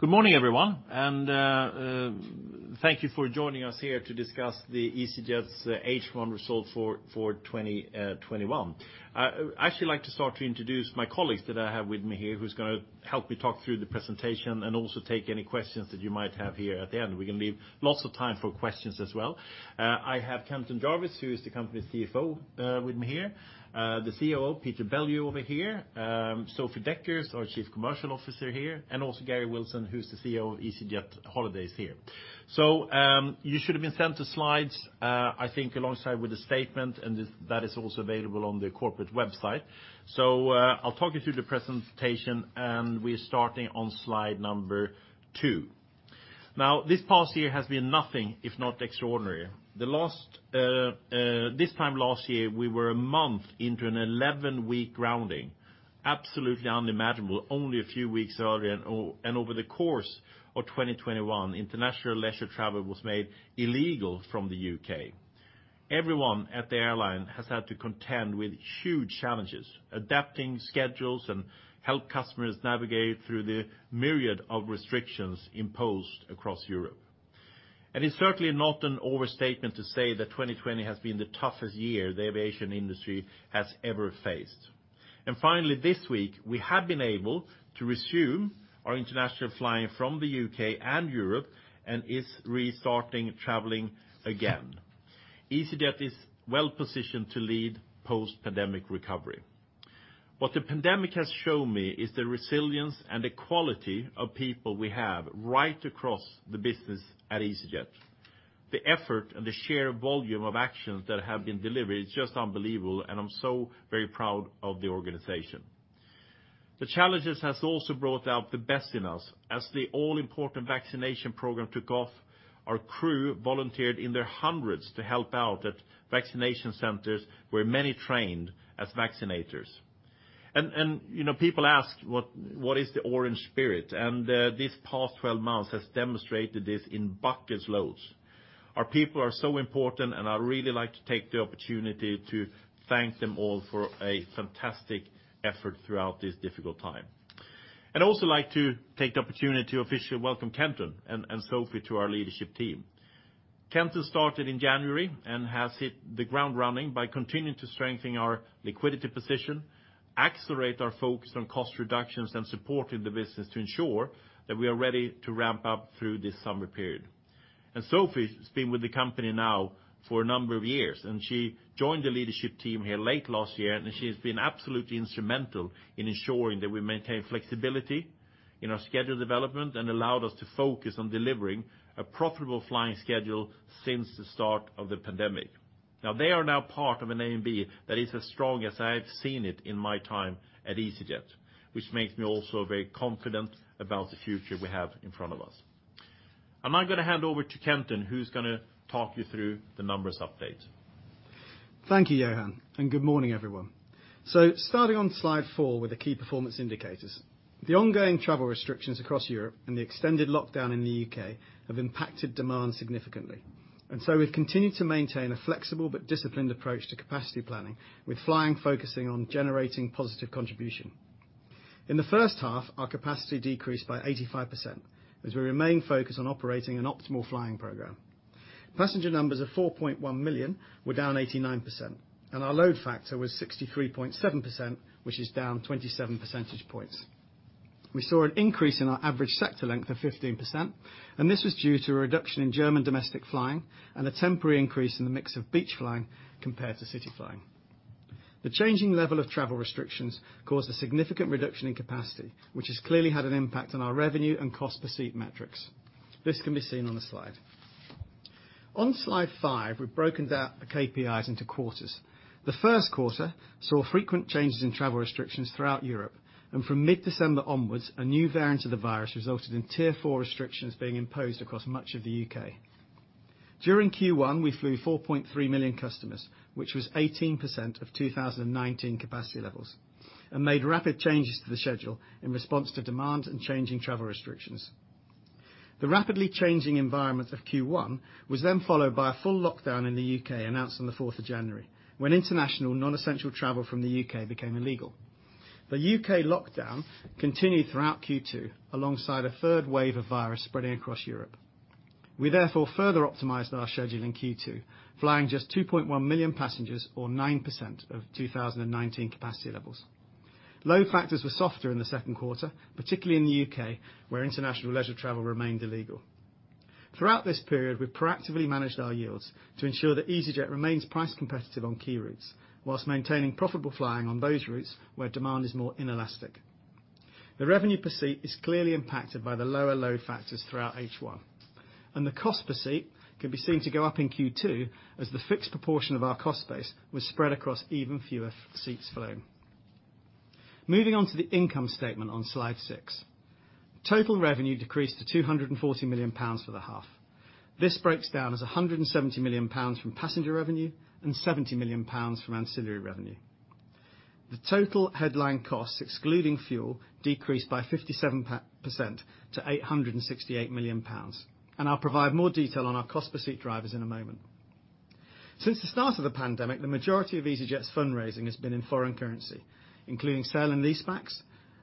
Good morning, everyone, and thank you for joining us here to discuss the easyJet's H1 Results for 2021. I'd actually like to start to introduce my colleague that I have with me here, who's going to help me talk through the presentation and also take any questions that you might have here at the end. We're going to leave lots of time for questions as well. I have Kenton Jarvis, who is the company's Chief Financial Officer with me here, the Chief Operating Officer, Peter Bellew over here, Sophie Dekkers, our Chief Commercial Officer here, and also Garry Wilson, who's the Chief Executive Officer of easyJet holidays here. You should have been sent the slides, I think, alongside with the statement, and that is also available on the corporate website. I'll talk you through the presentation, and we're starting on slide number two. This past year has been nothing if not extraordinary. This time last year, we were a month into an 11-week grounding. Absolutely unimaginable only a few weeks earlier. Over the course of 2021, international leisure travel was made illegal from the U.K. Everyone at the airline has had to contend with huge challenges, adapting schedules, and help customers navigate through the myriad of restrictions imposed across Europe. It's certainly not an overstatement to say that 2020 has been the toughest year the aviation industry has ever faced. Finally, this week, we have been able to resume our international flying from the U.K. and Europe and is restarting traveling again. easyJet is well-positioned to lead post-pandemic recovery. What the pandemic has shown me is the resilience and the quality of people we have right across the business at easyJet. The effort and the sheer volume of actions that have been delivered, it's just unbelievable, and I am so very proud of the organization. The challenges have also brought out the best in us. As the all-important vaccination program took off, our crew volunteered in their hundreds to help out at vaccination centers, where many trained as vaccinators. People ask, "What is the orange spirit?" This past 12 months has demonstrated this in buckets loads. Our people are so important, and I would really like to take the opportunity to thank them all for a fantastic effort throughout this difficult time. I would also like to take the opportunity to officially welcome Kenton and Sophie to our leadership team. Kenton started in January and has hit the ground running by continuing to strengthen our liquidity position, accelerate our focus on cost reductions and supporting the business to ensure that we are ready to ramp up through this summer period. Sophie has been with the company now for a number of years, and she joined the leadership team here late last year, and she has been absolutely instrumental in ensuring that we maintain flexibility in our schedule development and allowed us to focus on delivering a profitable flying schedule since the start of the pandemic. They are now part of an EMB that is as strong as I have seen it in my time at easyJet, which makes me also very confident about the future we have in front of us. I'm going to hand over to Kenton, who's going to talk you through the numbers update. Thank you, Johan. Good morning, everyone. Starting on slide four with the key performance indicators. The ongoing travel restrictions across Europe and the extended lockdown in the U.K. have impacted demand significantly. We've continued to maintain a flexible but disciplined approach to capacity planning with flying focusing on generating positive contribution. In the first half, our capacity decreased by 85%, as we remain focused on operating an optimal flying program. Passenger numbers of 4.1 million were down 89%, and our load factor was 63.7%, which is down 27 percentage points. We saw an increase in our average sector length of 15%. This was due to a reduction in German domestic flying and a temporary increase in the mix of beach flying compared to city flying. The changing level of travel restrictions caused a significant reduction in capacity, which has clearly had an impact on our revenue and cost per seat metrics. This can be seen on the slide. On slide five, we've broken down the KPIs into quarters. The first quarter saw frequent changes in travel restrictions throughout Europe, and from mid-December onwards, a new variant of the virus resulted in Tier 4 restrictions being imposed across much of the U.K. During Q1, we flew 4.3 million customers, which was 18% of 2019 capacity levels, and made rapid changes to the schedule in response to demand and changing travel restrictions. The rapidly changing environment of Q1 was then followed by a full lockdown in the U.K. announced on the 4th of January, when international non-essential travel from the U.K. became illegal. The U.K. lockdown continued throughout Q2, alongside a third wave of virus spreading across Europe. We therefore further optimized our schedule in Q2, flying just 2.1 million passengers or 9% of 2019 capacity levels. Load factors were softer in the second quarter, particularly in the U.K., where international leisure travel remained illegal. Throughout this period, we proactively managed our yields to ensure that easyJet remains price competitive on key routes while maintaining profitable flying on those routes where demand is more inelastic. The revenue per seat is clearly impacted by the lower load factors throughout H1, and the cost per seat can be seen to go up in Q2 as the fixed proportion of our cost base was spread across even fewer seats flown. Moving on to the income statement on slide six. Total revenue decreased to 240 million pounds for the half. This breaks down as 170 million pounds from passenger revenue and 70 million pounds from ancillary revenue. The total headline costs, excluding fuel, decreased by 57% to 868 million pounds. I'll provide more detail on our cost per seat drivers in a moment. Since the start of the pandemic, the majority of easyJet's fundraising has been in foreign currency, including sale and leasebacks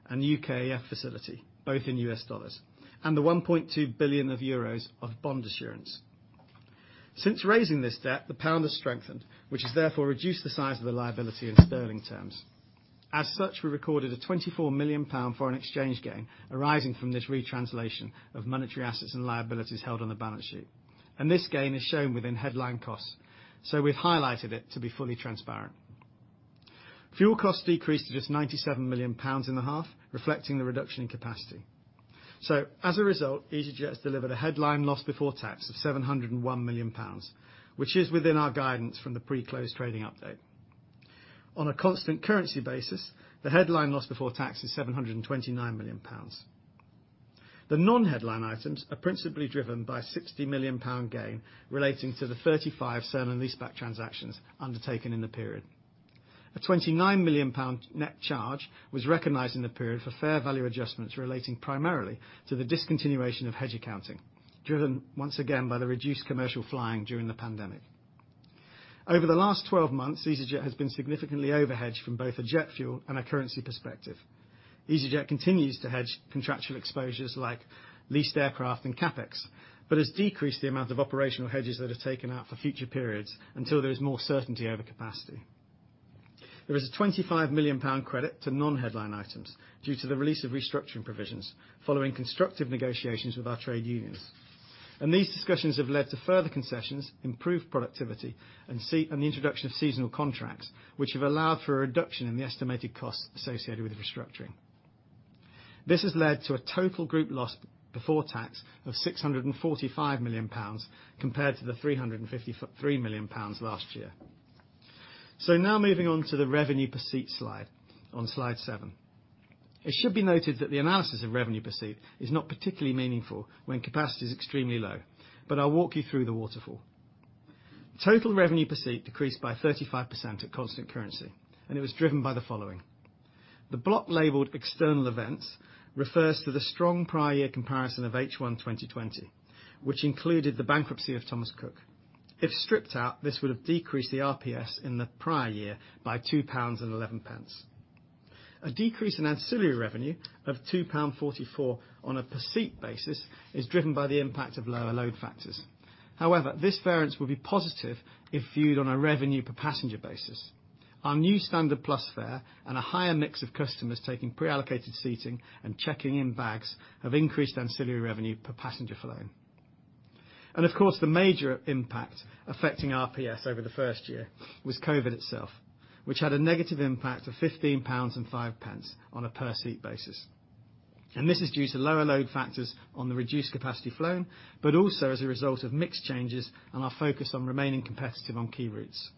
and UKEF facility, both in US dollars, and the 1.2 billion euros of bond issuance. Since raising this debt, the pound has strengthened, which has therefore reduced the size of the liability in sterling terms. As such, we recorded a 24 million pound foreign exchange gain arising from this retranslation of monetary assets and liabilities held on the balance sheet. This gain is shown within headline costs. We've highlighted it to be fully transparent. Fuel costs decreased to this 97 million pounds in the half, reflecting the reduction in capacity. As a result, easyJet has delivered a headline loss before tax of 701 million pounds, which is within our guidance from the pre-close trading update. On a constant currency basis, the headline loss before tax is 729 million pounds. The non-headline items are principally driven by a 60 million pound gain relating to the 35 sale and leaseback transactions undertaken in the period. A 29 million pound net charge was recognized in the period for fair value adjustments relating primarily to the discontinuation of hedge accounting, driven once again by the reduced commercial flying during the pandemic. Over the last 12 months, easyJet has been significantly over-hedged from both a jet fuel and a currency perspective. easyJet continues to hedge contractual exposures like leased aircraft and CapEx, but has decreased the amount of operational hedges that are taken out for future periods until there's more certainty over capacity. There is a 25 million pound credit to non-headline items due to the release of restructuring provisions following constructive negotiations with our trade unions. These discussions have led to further concessions, improved productivity, and the introduction of seasonal contracts, which have allowed for a reduction in the estimated costs associated with restructuring. This has led to a total group loss before tax of 645 million pounds compared to the 353 million pounds last year. Now moving on to the revenue per seat slide on slide seven. It should be noted that the analysis of revenue per seat is not particularly meaningful when capacity is extremely low, but I'll walk you through the waterfall. Total revenue per seat decreased by 35% at constant currency, and it was driven by the following. The block labeled external events refers to the strong prior year comparison of H1 2020, which included the bankruptcy of Thomas Cook. If stripped out, this would have decreased the RPS in the prior year by 2.11 pounds. A decrease in ancillary revenue of 2.44 pound on a per seat basis is driven by the impact of lower load factors. However, this variance will be positive if viewed on a revenue per passenger basis. Our new Standard Plus fare and a higher mix of customers taking pre-allocated seating and checking in bags have increased ancillary revenue per passenger flown. Of course, the major impact affecting RPS over the first year was COVID itself, which had a negative impact of 15.05 pounds on a per seat basis. This is due to lower load factors on the reduced capacity flown, but also as a result of mix changes and our focus on remaining competitive on key routes.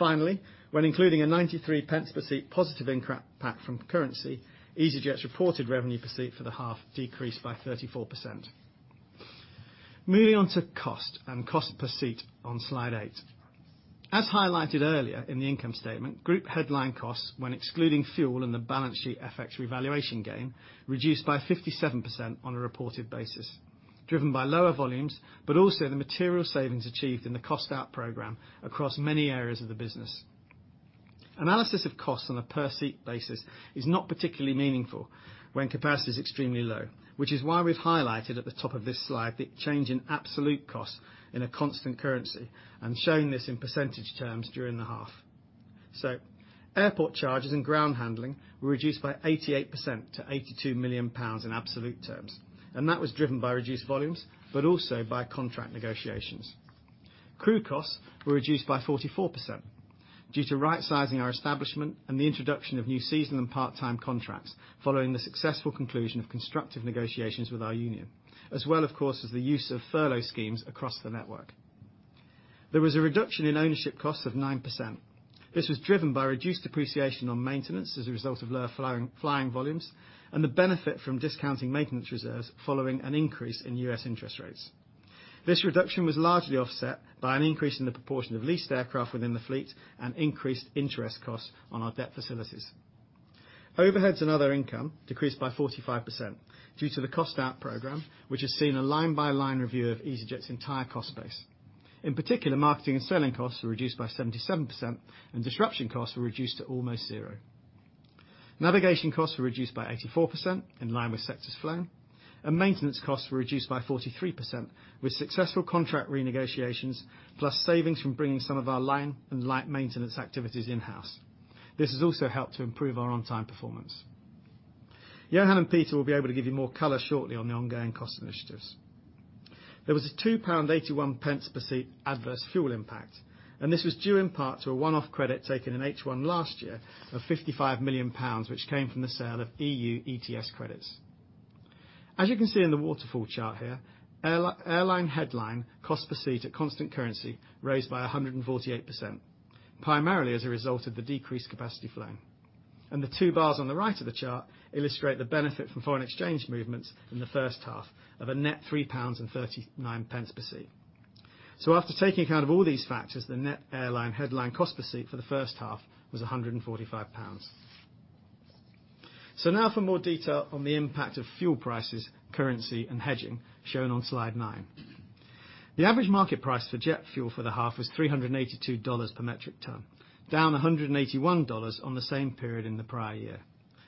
Finally, when including a 0.93 per seat positive impact from currency, easyJet's reported revenue per seat for the half decreased by 34%. Moving on to cost and cost per seat on slide eight. As highlighted earlier in the income statement, group headline costs, when excluding fuel and the balance sheet FX revaluation gain, reduced by 57% on a reported basis, driven by lower volumes, but also the material savings achieved in the cost out program across many areas of the business. Analysis of costs on a per seat basis is not particularly meaningful when capacity is extremely low, which is why we've highlighted at the top of this slide the change in absolute cost in a constant currency and shown this in percentage terms during the half. Airport charges and ground handling were reduced by 88% to 82 million pounds in absolute terms, and that was driven by reduced volumes, but also by contract negotiations. Crew costs were reduced by 44% due to right-sizing our establishment and the introduction of new seasonal and part-time contracts following the successful conclusion of constructive negotiations with our union, as well, of course, as the use of furlough schemes across the network. There was a reduction in ownership costs of 9%. This was driven by reduced depreciation on maintenance as a result of lower flying volumes and the benefit from discounting maintenance reserves following an increase in U.S. interest rates. This reduction was largely offset by an increase in the proportion of leased aircraft within the fleet and increased interest costs on our debt facilities. Overheads and other income decreased by 45% due to the cost out program, which has seen a line-by-line review of easyJet's entire cost base. In particular, marketing and selling costs were reduced by 77%, and disruption costs were reduced to almost zero. Navigation costs were reduced by 84% in line with sectors flown, and maintenance costs were reduced by 43% with successful contract renegotiations, plus savings from bringing some of our line and light maintenance activities in-house. This has also helped to improve our on-time performance. Johan and Peter will be able to give you more color shortly on the ongoing cost initiatives. There was a 2.81 pound per seat adverse fuel impact, and this was due in part to a one-off credit taken in H1 last year of 55 million pounds, which came from the sale of EU ETS credits. As you can see in the waterfall chart here, airline headline cost per seat at constant currency raised by 148%, primarily as a result of the decreased capacity flown. The two bars on the right of the chart illustrate the benefit from foreign exchange movements in the first half of a net 3.39 pounds per seat. After taking account of all these factors, the net airline headline cost per seat for the first half was 145 pounds. Now for more detail on the impact of fuel prices, currency, and hedging shown on slide nine. The average market price for jet fuel for the half was GBP 382 per metric ton, down GBP 181 on the same period in the prior year.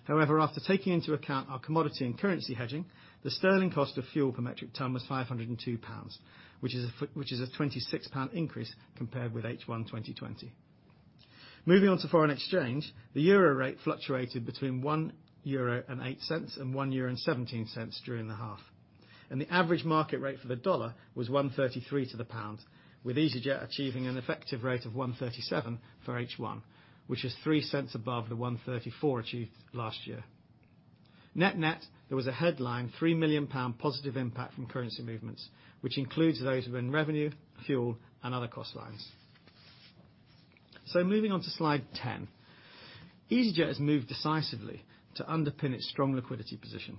However, after taking into account our commodity and currency hedging, the sterling cost of fuel per metric ton was 502 pounds, which is a 26 pound increase compared with H1 2020. Moving on to foreign exchange, the euro rate fluctuated between 1.08 euro and 1.17 euro during the half, and the average market rate for the dollar was $1.33 to GBP 1, with easyJet achieving an effective rate of $1.37 for H1, which is $0.03 above the $1.34 achieved last year. Net-net, there was a headline 3 million pound positive impact from currency movements, which includes those within revenue, fuel, and other cost lines. Moving on to slide 10. easyJet has moved decisively to underpin its strong liquidity position.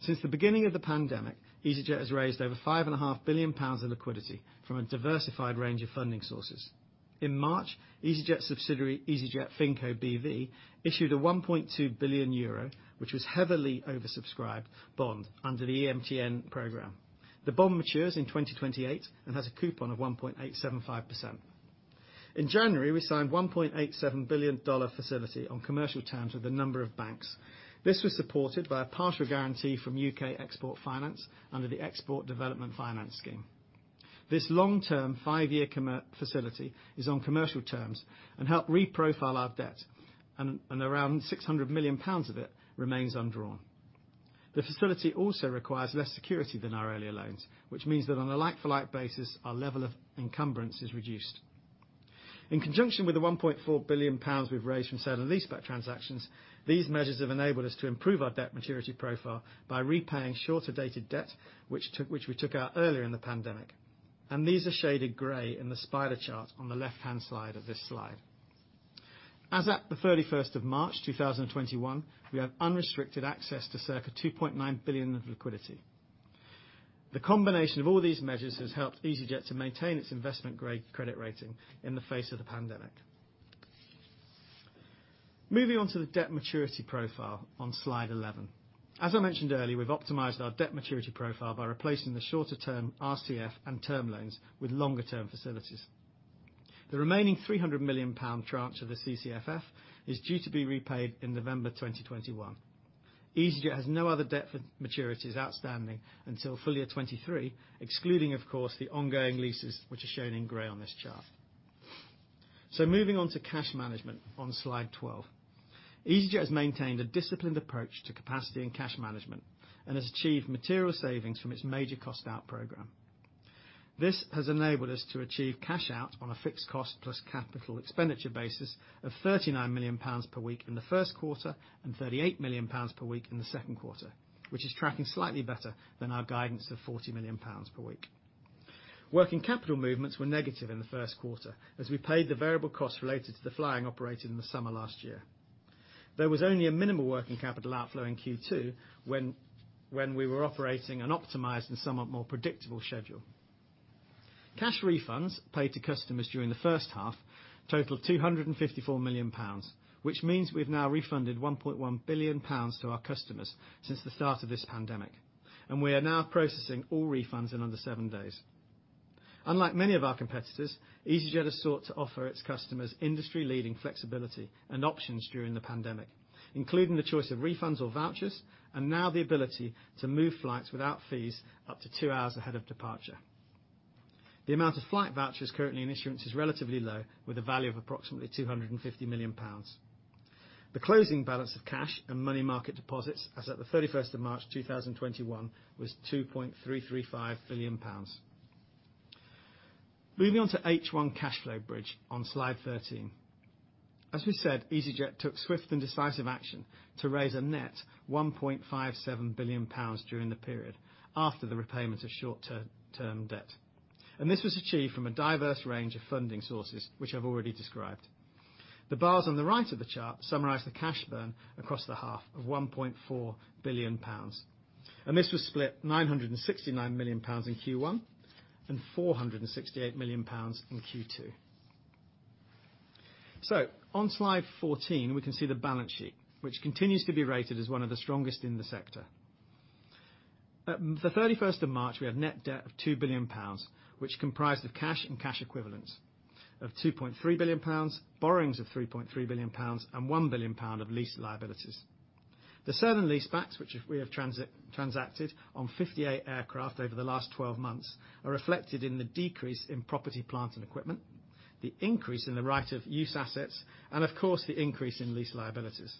Since the beginning of the pandemic, easyJet has raised overGBP 5.5 billion in liquidity from a diversified range of funding sources. In March, easyJet subsidiary, easyJet FinCo B.V., issued a 1.2 billion euro, which was heavily oversubscribed, bond under the EMTN program. The bond matures in 2028 and has a coupon of 1.875%. In January, we signed a $1.87 billion facility on commercial terms with a number of banks. This was supported by a partial guarantee from UK Export Finance under the Export Development Guarantee scheme. This long-term five-year facility is on commercial terms and helped reprofile our debt, and around 600 million pounds of it remains undrawn. The facility also requires less security than our earlier loans, which means that on a like-for-like basis, our level of encumbrance is reduced. In conjunction with the 1.4 billion pounds we've raised from sale and leaseback transactions, these measures have enabled us to improve our debt maturity profile by repaying shorter-dated debt, which we took out earlier in the pandemic, and these are shaded gray in the spider chart on the left-hand side of this slide. As at the 31st of March 2021, we have unrestricted access to circa 2.9 billion of liquidity. The combination of all these measures has helped easyJet to maintain its investment-grade credit rating in the face of the pandemic. Moving on to the debt maturity profile on slide 11. As I mentioned earlier, we've optimized our debt maturity profile by replacing the shorter-term RCF and term loans with longer-term facilities. The remaining 300 million pound tranche of the CCFF is due to be repaid in November 2021. easyJet has no other debt maturities outstanding until FY 2023, excluding, of course, the ongoing leases, which are shown in gray on this chart. Moving on to cash management on slide 12. easyJet has maintained a disciplined approach to capacity and cash management and has achieved material savings from its major cost-out program. This has enabled us to achieve cash outs on a fixed cost plus Capital Expenditure basis of 39 million pounds per week in the first quarter and 38 million pounds per week in the second quarter, which is tracking slightly better than our guidance of 40 million pounds per week. Working capital movements were negative in the first quarter, as we paid the variable cost related to the flying operating in the summer last year. There was only a minimal working capital outflow in Q2 when we were operating an optimized and somewhat more predictable schedule. Cash refunds paid to customers during the first half totaled 254 million pounds, which means we've now refunded 1.1 billion pounds to our customers since the start of this pandemic. We are now processing all refunds in under seven days. Unlike many of our competitors, easyJet has sought to offer its customers industry-leading flexibility and options during the pandemic, including the choice of refunds or vouchers, and now the ability to move flights without fees up to two hours ahead of departure. The amount of flight vouchers currently in issuance is relatively low, with a value of approximately 250 million pounds. The closing balance of cash and money market deposits as at the 31st of March 2021 was 2.335 billion pounds. Moving on to H1 cash flow bridge on slide 13. As we said, easyJet took swift and decisive action to raise a net 1.57 billion pounds during the period after the repayment of short-term debt. This was achieved from a diverse range of funding sources, which I've already described. The bars on the right of the chart summarize the cash burn across the half of 1.4 billion pounds. This was split 969 million pounds in Q1 and 468 million pounds in Q2. On slide 14, we can see the balance sheet, which continues to be rated as one of the strongest in the sector. At the 31st of March, we had net debt of GBP 2 billion, which comprised of cash and cash equivalents of 2.3 billion pounds, borrowings of 3.3 billion pounds, and 1 billion pound of lease liabilities. The sale and leasebacks which we have transacted on 58 aircraft over the last 12 months are reflected in the decrease in property, plant, and equipment, the increase in the right of use assets, and of course, the increase in lease liabilities.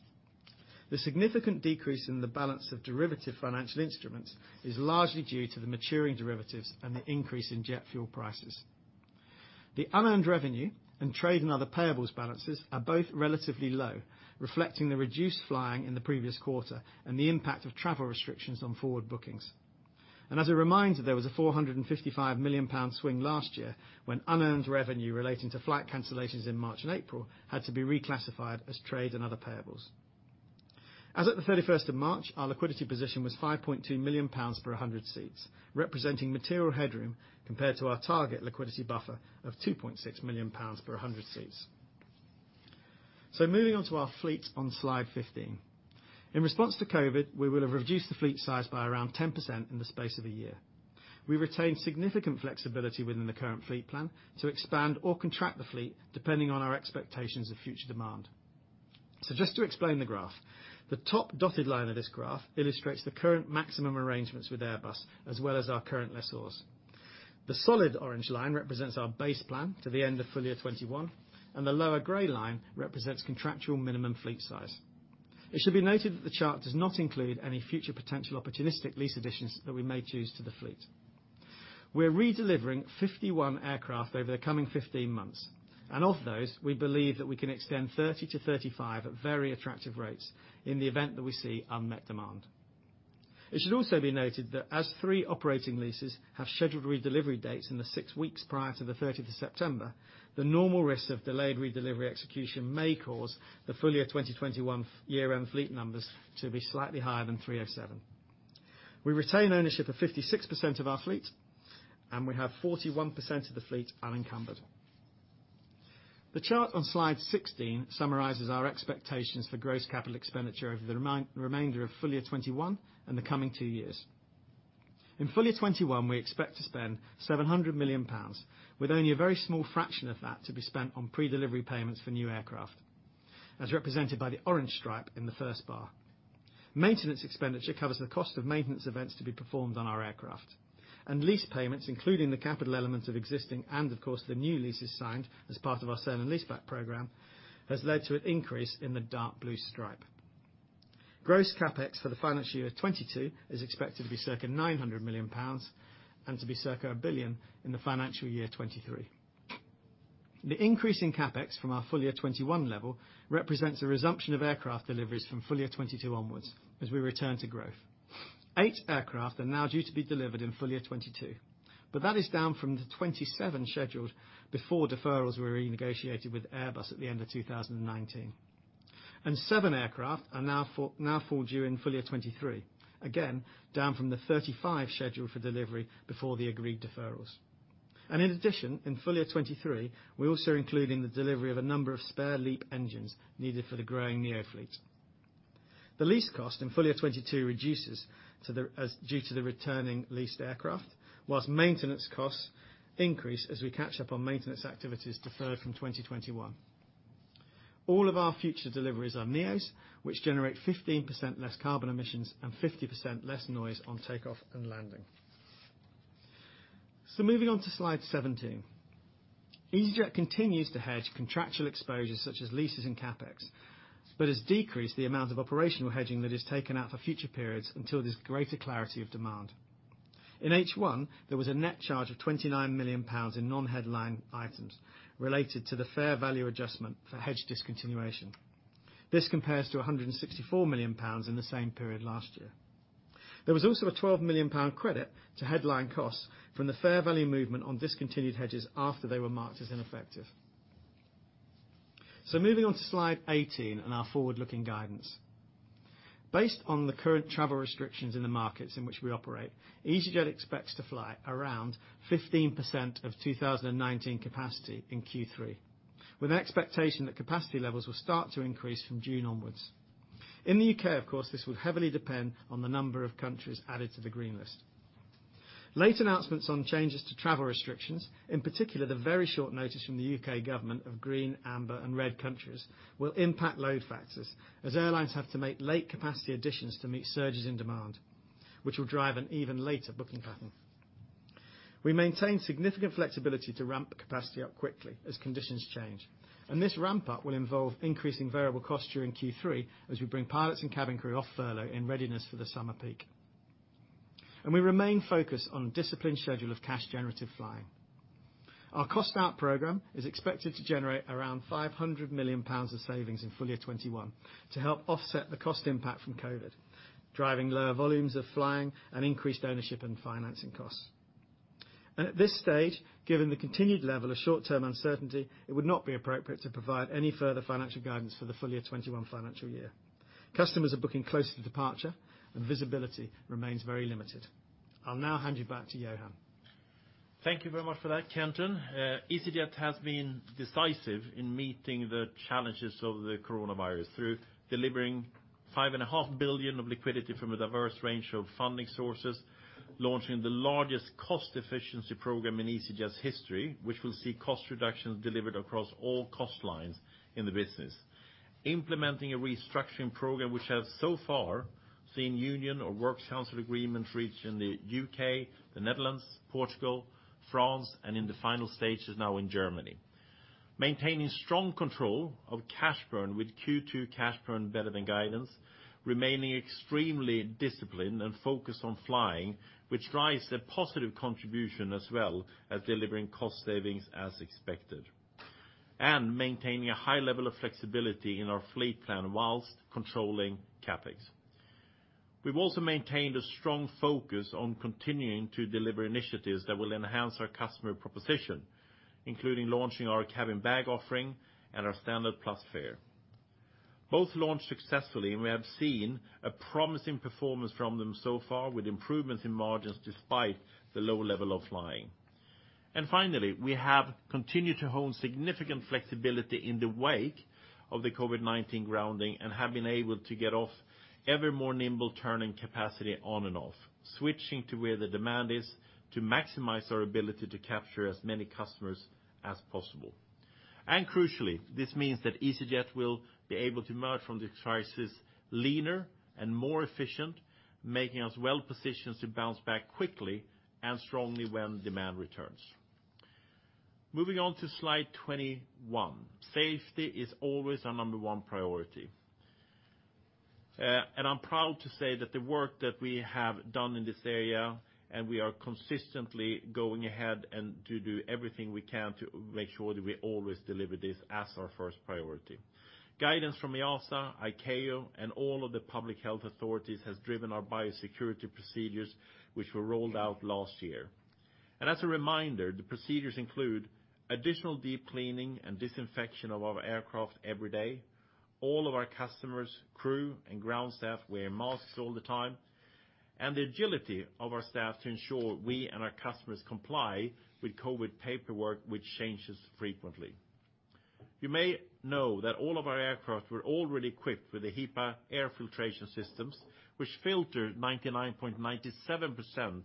The significant decrease in the balance of derivative financial instruments is largely due to the maturing derivatives and the increase in jet fuel prices. The unearned revenue and trade and other payables balances are both relatively low, reflecting the reduced flying in the previous quarter and the impact of travel restrictions on forward bookings. As a reminder, there was a 455 million pound swing last year when unearned revenue relating to flight cancellations in March and April had to be reclassified as trade and other payables. As at the 31st of March, our liquidity position was GBP 5.2 million per 100 seats, representing material headroom compared to our target liquidity buffer of 2.6 million pounds per 100 seats. Moving on to our fleets on slide 15. In response to COVID, we would have reduced the fleet size by around 10% in the space of a year. We retained significant flexibility within the current fleet plan to expand or contract the fleet, depending on our expectations of future demand. Just to explain the graph, the top dotted line of this graph illustrates the current maximum arrangements with Airbus, as well as our current lessors. The solid orange line represents our base plan to the end of FY 2021, and the lower gray line represents contractual minimum fleet size. It should be noted that the chart does not include any future potential opportunistic lease additions that we may choose to the fleet. We're redelivering 51 aircraft over the coming 15 months, and of those, we believe that we can extend 30 to 35 at very attractive rates in the event that we see unmet demand. It should also be noted that as three operating leases have scheduled redelivery dates in the six weeks prior to the 30th of September, the normal risk of delayed redelivery execution may cause the FY 2021 year-end fleet numbers to be slightly higher than 307. We retain ownership of 56% of our fleet, and we have 41% of the fleet unencumbered. The chart on slide 16 summarizes our expectations for gross capital expenditure over the remainder of FY 2021 and the coming two years. In FY 2021, we expect to spend 700 million pounds, with only a very small fraction of that to be spent on predelivery payments for new aircraft, as represented by the orange stripe in the first bar. Maintenance expenditure covers the cost of maintenance events to be performed on our aircraft. Lease payments, including the capital elements of existing, and of course, the new leases signed as part of our sale and leaseback program, has led to an increase in the dark blue stripe. Gross CapEx for the financial year 2022 is expected to be circa 900 million pounds and to be circa 1 billion in the financial year 2023. The increase in CapEx from our FY 2021 level represents a resumption of aircraft deliveries from FY 2022 onwards as we return to growth. Eight aircraft are now due to be delivered in FY 2022. That is down from the 27 scheduled before deferrals were renegotiated with Airbus at the end of 2019. Seven aircraft are now fall due in FY 2023, again, down from the 35 scheduled for delivery before the agreed deferrals. In addition, in FY 2023, we are also including the delivery of a number of spare LEAP engines needed for the growing neo fleet. The lease cost in FY 2022 reduces due to the returning leased aircraft, while maintenance costs increase as we catch up on maintenance activities deferred from 2021. All of our future deliveries are neos, which generate 15% less carbon emissions and 50% less noise on takeoff and landing. Moving on to slide 17. easyJet continues to hedge contractual exposures such as leases and CapEx, but has decreased the amount of operational hedging that is taken out for future periods until there's greater clarity of demand. In H1, there was a net charge of 29 million pounds in non-headline items related to the fair value adjustment for hedge discontinuation. This compares to 164 million pounds in the same period last year. There was also a 12 million pound credit to headline costs from the fair value movement on discontinued hedges after they were marked as ineffective. Moving on to slide 18 and our forward-looking guidance. Based on the current travel restrictions in the markets in which we operate, easyJet expects to fly around 15% of 2019 capacity in Q3, with an expectation that capacity levels will start to increase from June onwards. In the U.K., of course, this will heavily depend on the number of countries added to the green list. Late announcements on changes to travel restrictions, in particular, the very short notice from the U.K. government of green, amber, and red countries, will impact load factors as airlines have to make late capacity additions to meet surges in demand, which will drive an even later booking pattern. We maintain significant flexibility to ramp the capacity up quickly as conditions change, and this ramp-up will involve increasing variable costs during Q3 as we bring pilots and cabin crew off furlough in readiness for the summer peak. We remain focused on disciplined schedule of cash-generative flying. Our cost-out program is expected to generate around 500 million pounds of savings in FY 2021 to help offset the cost impact from COVID, driving lower volumes of flying and increased ownership and financing costs. At this stage, given the continued level of short-term uncertainty, it would not be appropriate to provide any further financial guidance for the FY 2021 financial year. Customers are booking close to departure, and visibility remains very limited. I'll now hand you back to Johan. Thank you very much for that, Kenton. easyJet has been decisive in meeting the challenges of the coronavirus through delivering five and a half billion of liquidity from a diverse range of funding sources, launching the largest cost efficiency program in easyJet's history, which will see cost reductions delivered across all cost lines in the business. Implementing a restructuring program, which has so far seen union or works council agreements reached in the U.K., the Netherlands, Portugal, France, and in the final stages now in Germany. Maintaining strong control of cash burn with Q2 cash burn better than guidance, remaining extremely disciplined and focused on flying, which drives a positive contribution as well as delivering cost savings as expected. Maintaining a high level of flexibility in our fleet plan whilst controlling CapEx. We've also maintained a strong focus on continuing to deliver initiatives that will enhance our customer proposition, including launching our cabin bag offering and our Standard Plus fare. Both launched successfully, and we have seen a promising performance from them so far with improvements in margins despite the low level of flying. Finally, we have continued to hone significant flexibility in the wake of the COVID-19 grounding and have been able to get off ever more nimble turning capacity on and off, switching to where the demand is to maximize our ability to capture as many customers as possible. Crucially, this means that easyJet will be able to emerge from this crisis leaner and more efficient, making us well-positioned to bounce back quickly and strongly when demand returns. Moving on to slide 21. Safety is always our number one priority. I'm proud to say that the work that we have done in this area, and we are consistently going ahead and to do everything we can to make sure that we always deliver this as our first priority. Guidance from EASA, ICAO, and all of the public health authorities has driven our biosecurity procedures, which were rolled out last year. As a reminder, the procedures include additional deep cleaning and disinfection of our aircraft every day. All of our customers, crew, and ground staff wear masks all the time, and the agility of our staff to ensure we and our customers comply with COVID paperwork, which changes frequently. You may know that all of our aircraft were already equipped with the HEPA air filtration systems, which filter 99.97%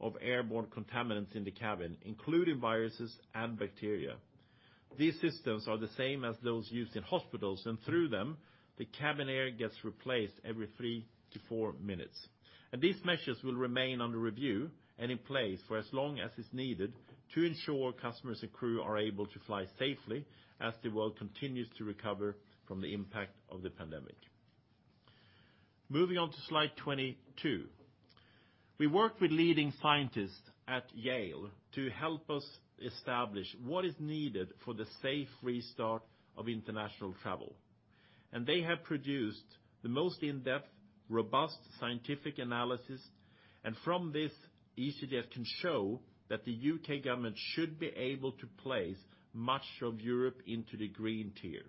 of airborne contaminants in the cabin, including viruses and bacteria. These systems are the same as those used in hospitals, and through them, the cabin air gets replaced every three to four minutes. These measures will remain under review and in place for as long as is needed to ensure customers and crew are able to fly safely as the world continues to recover from the impact of the pandemic. Moving on to slide 22. We worked with leading scientists at Yale to help us establish what is needed for the safe restart of international travel. They have produced the most in-depth, robust scientific analysis. From this, easyJet can show that the U.K. government should be able to place much of Europe into the green tier.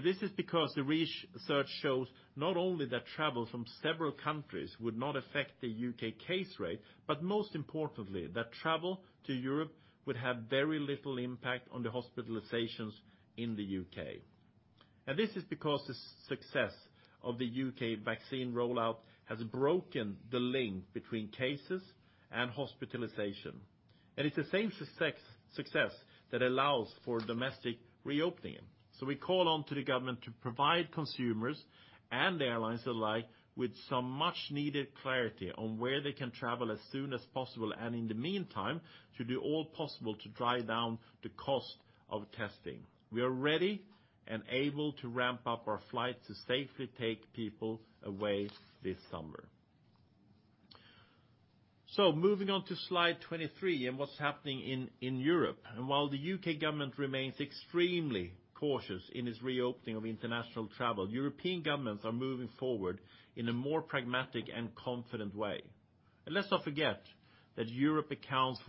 This is because the research shows not only that travel from several countries would not affect the U.K. case rate, but most importantly, that travel to Europe would have very little impact on the hospitalizations in the U.K. This is because the success of the U.K. vaccine rollout has broken the link between cases and hospitalization. It's the same success that allows for domestic reopening. We call on to the government to provide consumers and airlines alike with some much needed clarity on where they can travel as soon as possible, and in the meantime, to do all possible to drive down the cost of testing. We are ready and able to ramp up our flight to safely take people away this summer. Moving on to slide 23 and what's happening in Europe. While the U.K. government remains extremely cautious in its reopening of international travel, European governments are moving forward in a more pragmatic and confident way. Let's not forget that Europe accounts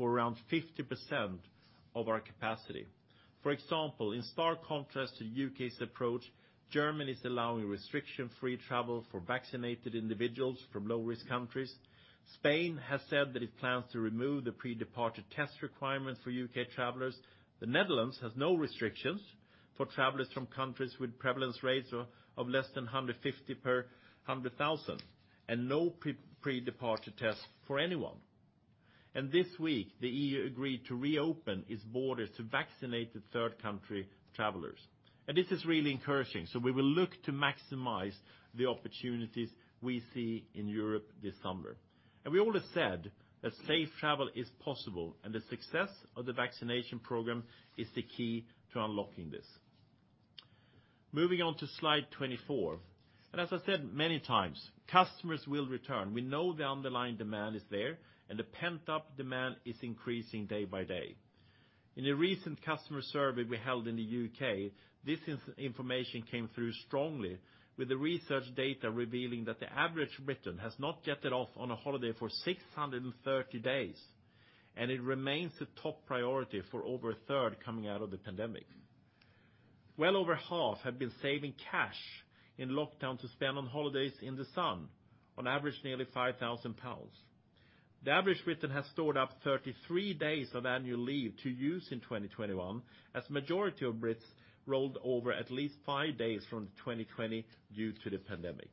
for around 50% of our capacity. For example, in stark contrast to U.K.'s approach, Germany is allowing restriction-free travel for vaccinated individuals from low-risk countries. Spain has said that it plans to remove the pre-departure test requirement for U.K. travelers. The Netherlands has no restrictions for travelers from countries with prevalence rates of less than 150 per 100,000, and no pre-departure test for anyone. This week, the EU agreed to reopen its borders to vaccinated third country travelers. This is really encouraging, we will look to maximize the opportunities we see in Europe this summer. We all have said that safe travel is possible, and the success of the vaccination program is the key to unlocking this. Moving on to slide 24. As I said many times, customers will return. We know the underlying demand is there, and the pent-up demand is increasing day by day. In a recent customer survey we held in the U.K., this information came through strongly with the research data revealing that the average Briton has not gotten off on a holiday for 630 days, and it remains the top priority for over a third coming out of the pandemic. Well over half have been saving cash in lockdown to spend on holidays in the sun, on average, nearly 6,000 pounds. The average Briton has stored up 33 days of annual leave to use in 2021, as majority of Brits rolled over at least five days from 2020 due to the pandemic.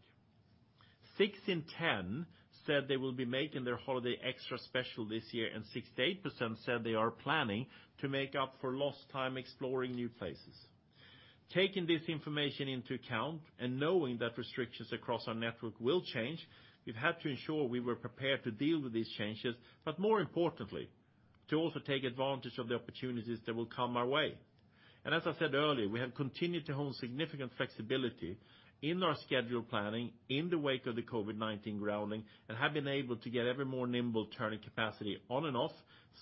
Six in 10 said they will be making their holiday extra special this year, and 68% said they are planning to make up for lost time exploring new places. Taking this information into account and knowing that restrictions across our network will change, we've had to ensure we were prepared to deal with these changes, but more importantly, to also take advantage of the opportunities that will come our way. As I said earlier, we have continued to hone significant flexibility in our schedule planning in the wake of the COVID-19 grounding and have been able to get ever more nimble turning capacity on and off,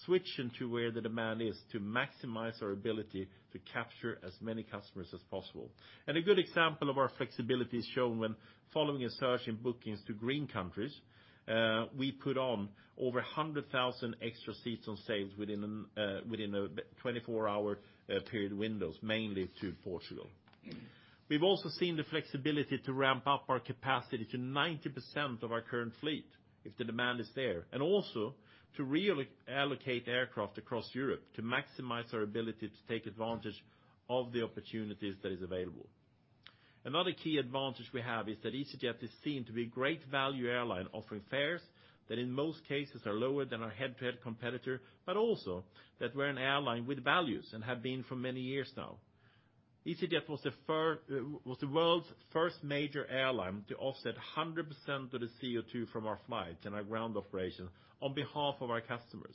switching to where the demand is to maximize our ability to capture as many customers as possible. A good example of our flexibility is shown when following a surge in bookings to green countries, we put on over 100,000 extra seats on sales within a 24-hour period windows, mainly to Portugal. We've also seen the flexibility to ramp up our capacity to 90% of our current fleet if the demand is there, and also to reallocate aircraft across Europe to maximize our ability to take advantage of the opportunities that is available. Another key advantage we have is that easyJet is seen to be a great value airline offering fares that, in most cases, are lower than our head-to-head competitor, but also that we're an airline with values and have been for many years now. easyJet was the world's first major airline to offset 100% of the CO2 from our flights and our ground operations on behalf of our customers.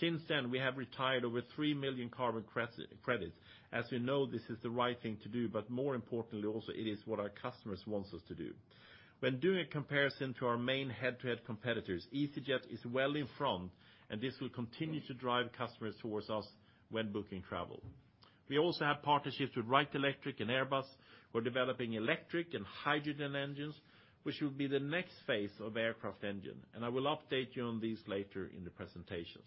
Since then, we have retired over 3 million carbon credits. As we know this is the right thing to do, but more importantly, also it is what our customers want us to do. When doing a comparison to our main head-to-head competitors, easyJet is well in front, and this will continue to drive customers towards us when booking travel. We also have partnerships with Wright Electric and Airbus. We're developing electric and hydrogen engines, which will be the next phase of aircraft engine, I will update you on these later in the presentation.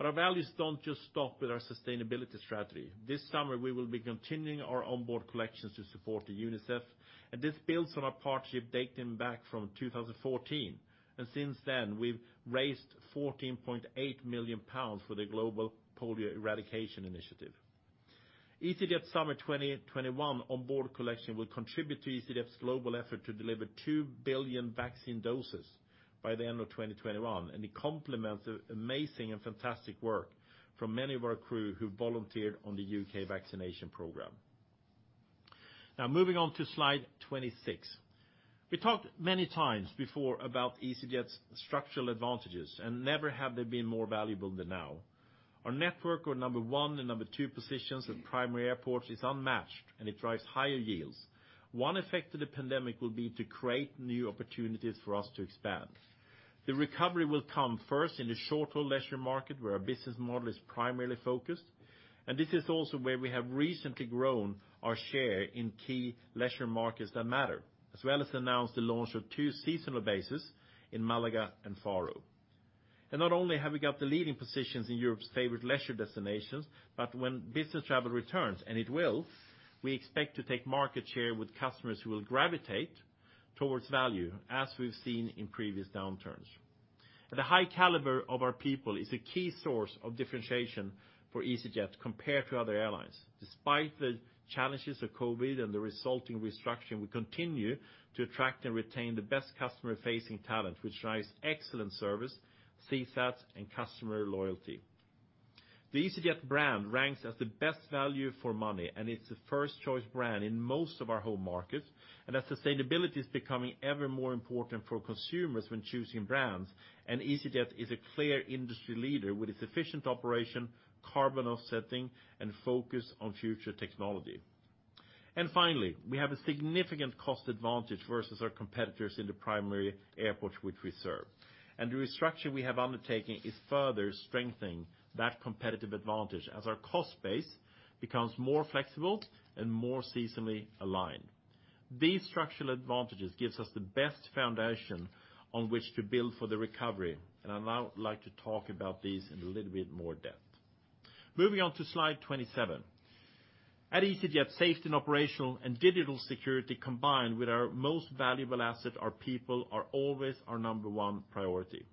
Our values don't just stop with our sustainability strategy. This summer, we will be continuing our onboard collections to support UNICEF, and this builds on a partnership dating back from 2014. Since then, we've raised 14.8 million pounds for the Global Polio Eradication Initiative. easyJet Summer 2021 onboard collection will contribute to easyJet's global effort to deliver 2 billion vaccine doses by the end of 2021, and it complements the amazing and fantastic work from many of our crew who volunteered on the U.K. vaccination program. Moving on to slide 26. We talked many times before about easyJet's structural advantages, and never have they been more valuable than now. Our network of number one and number two positions at primary airports is unmatched. It drives higher yields. One effect of the pandemic will be to create new opportunities for us to expand. The recovery will come first in the short-haul leisure market, where our business model is primarily focused, and this is also where we have recently grown our share in key leisure markets that matter, as well as announced the launch of two seasonal bases in Málaga and Faro. Not only have we got the leading positions in Europe's favorite leisure destinations, but when business travel returns, and it will, we expect to take market share with customers who will gravitate towards value, as we've seen in previous downturns. The high caliber of our people is a key source of differentiation for easyJet compared to other airlines. Despite the challenges of COVID and the resulting restructure, we continue to attract and retain the best customer-facing talent, which drives excellent service, CSAT, and customer loyalty. The easyJet brand ranks as the best value for money, and it's the first-choice brand in most of our home markets. As sustainability is becoming ever more important for consumers when choosing brands, and easyJet is a clear industry leader with its efficient operation, carbon offsetting, and focus on future technology. Finally, we have a significant cost advantage versus our competitors in the primary airports which we serve. The restructure we have undertaken is further strengthening that competitive advantage as our cost base becomes more flexible and more seasonally aligned. These structural advantages gives us the best foundation on which to build for the recovery, and I'd now like to talk about these in a little bit more depth. Moving on to slide 27. At easyJet, safety, operational, and digital security, combined with our most valuable asset, our people, are always our number one priority.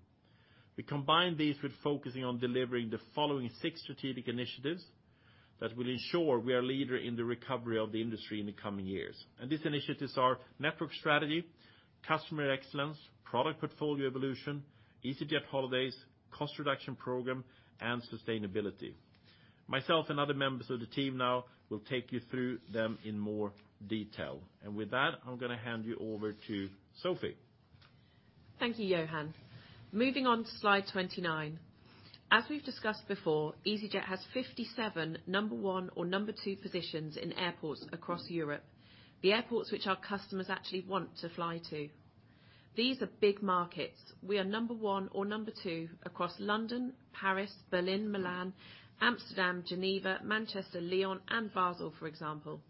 We combine these with focusing on delivering the following six Strategic Initiatives that will ensure we are leader in the recovery of the industry in the coming years. These initiatives are Network Strategy, Customer Excellence, Product Portfolio Evolution, easyJet holidays, Cost Reduction Program, and Sustainability. Myself and other members of the team now will take you through them in more detail. With that, I'm going to hand you over to Sophie. Thank you, Johan. Moving on to slide 29. As we've discussed before, easyJet has 57 number one or number two positions in airports across Europe, the airports which our customers actually want to fly to. These are big markets. We are number one or number two across London, Paris, Berlin, Milan, Amsterdam, Geneva, Manchester, Lyon, and Basel, for example.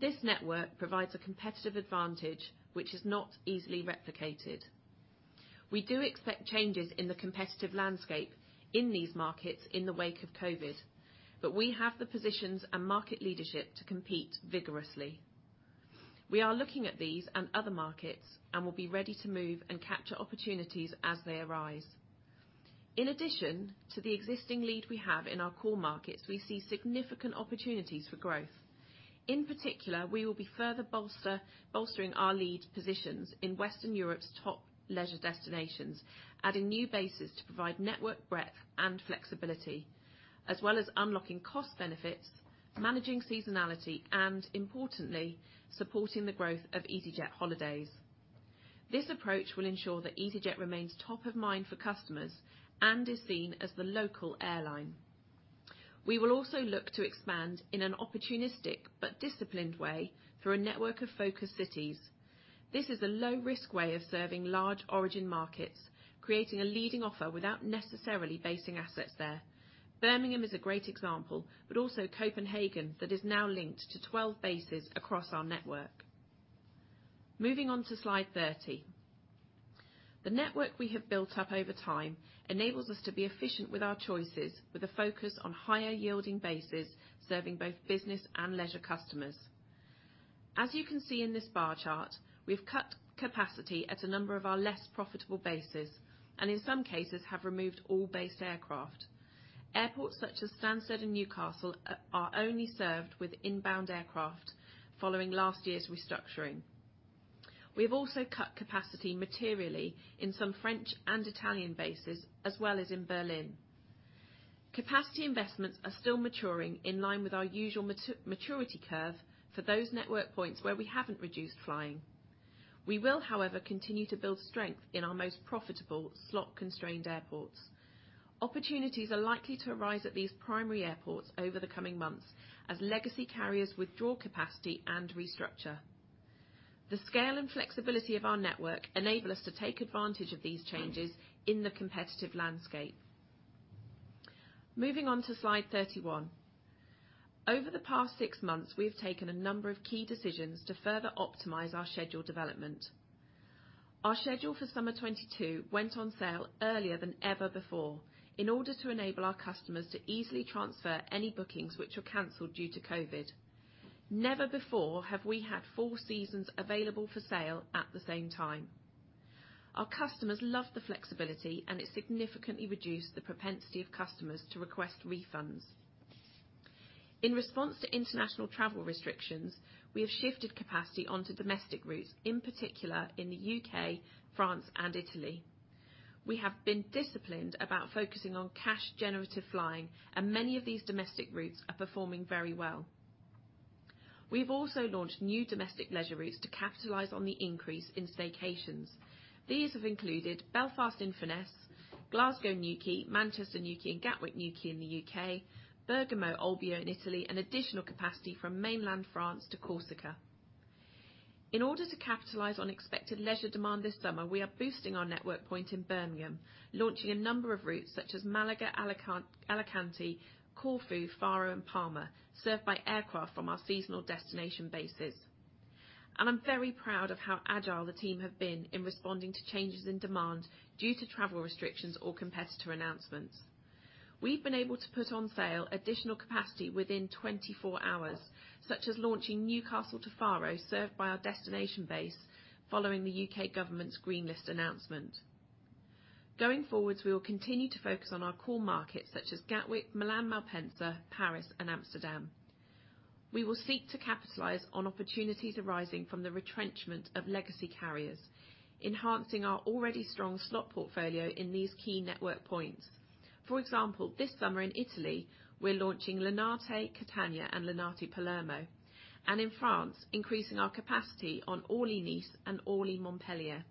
This network provides a competitive advantage which is not easily replicated. We do expect changes in the competitive landscape in these markets in the wake of COVID, but we have the positions and market leadership to compete vigorously. We are looking at these and other markets and will be ready to move and capture opportunities as they arise. In addition to the existing lead we have in our core markets, we see significant opportunities for growth. In particular, we will be further bolstering our lead positions in Western Europe's top leisure destinations, adding new bases to provide network breadth and flexibility, as well as unlocking cost benefits, managing seasonality, and importantly, supporting the growth of easyJet holidays. This approach will ensure that easyJet remains top of mind for customers and is seen as the local airline. We will also look to expand in an opportunistic but disciplined way through a network of focus cities. This is a low-risk way of serving large origin markets, creating a leading offer without necessarily basing assets there. Birmingham is a great example, but also Copenhagen that is now linked to 12 bases across our network. Moving on to slide 30. The network we have built up over time enables us to be efficient with our choices, with a focus on higher yielding bases serving both business and leisure customers. As you can see in this bar chart, we've cut capacity at a number of our less profitable bases, and in some cases, have removed all base aircraft. Airports such as Stansted and Newcastle are only served with inbound aircraft following last year's restructuring. We've also cut capacity materially in some French and Italian bases, as well as in Berlin. Capacity investments are still maturing in line with our usual maturity curve for those network points where we haven't reduced flying. We will, however, continue to build strength in our most profitable slot-constrained airports. Opportunities are likely to arise at these primary airports over the coming months as legacy carriers withdraw capacity and restructure. The scale and flexibility of our network enable us to take advantage of these changes in the competitive landscape. Moving on to slide 31. Over the past six months, we've taken a number of key decisions to further optimize our schedule development. Our schedule for summer 2022 went on sale earlier than ever before in order to enable our customers to easily transfer any bookings which were canceled due to COVID. Never before have we had four seasons available for sale at the same time. Our customers love the flexibility, and it significantly reduced the propensity of customers to request refunds. In response to international travel restrictions, we have shifted capacity onto domestic routes, in particular in the U.K., France, and Italy. We have been disciplined about focusing on cash-generative flying, and many of these domestic routes are performing very well. We've also launched new domestic leisure routes to capitalize on the increase in staycations. These have included Belfast to Inverness, Glasgow to Newquay, Manchester to Newquay, and Gatwick to Newquay in the U.K., Bergamo to Olbia in Italy, and additional capacity from mainland France to Corsica. In order to capitalize on expected leisure demand this summer, we are boosting our network point in Birmingham, launching a number of routes such as Málaga, Alicante, Corfu, Faro, and Palma, served by aircraft from our seasonal destination bases. I'm very proud of how agile the team have been in responding to changes in demand due to travel restrictions or competitor announcements. We've been able to put on sale additional capacity within 24 hours, such as launching Newcastle to Faro, served by our destination base following the U.K. government's green list announcement. Going forward, we will continue to focus on our core markets such as Gatwick, Milan Malpensa, Paris, and Amsterdam. We will seek to capitalize on opportunities arising from the retrenchment of legacy carriers, enhancing our already strong slot portfolio in these key network points. For example, this summer in Italy, we're launching Linate to Catania and Linate to Palermo. In France, increasing our capacity on Orly to Nice and Orly to Montpellier.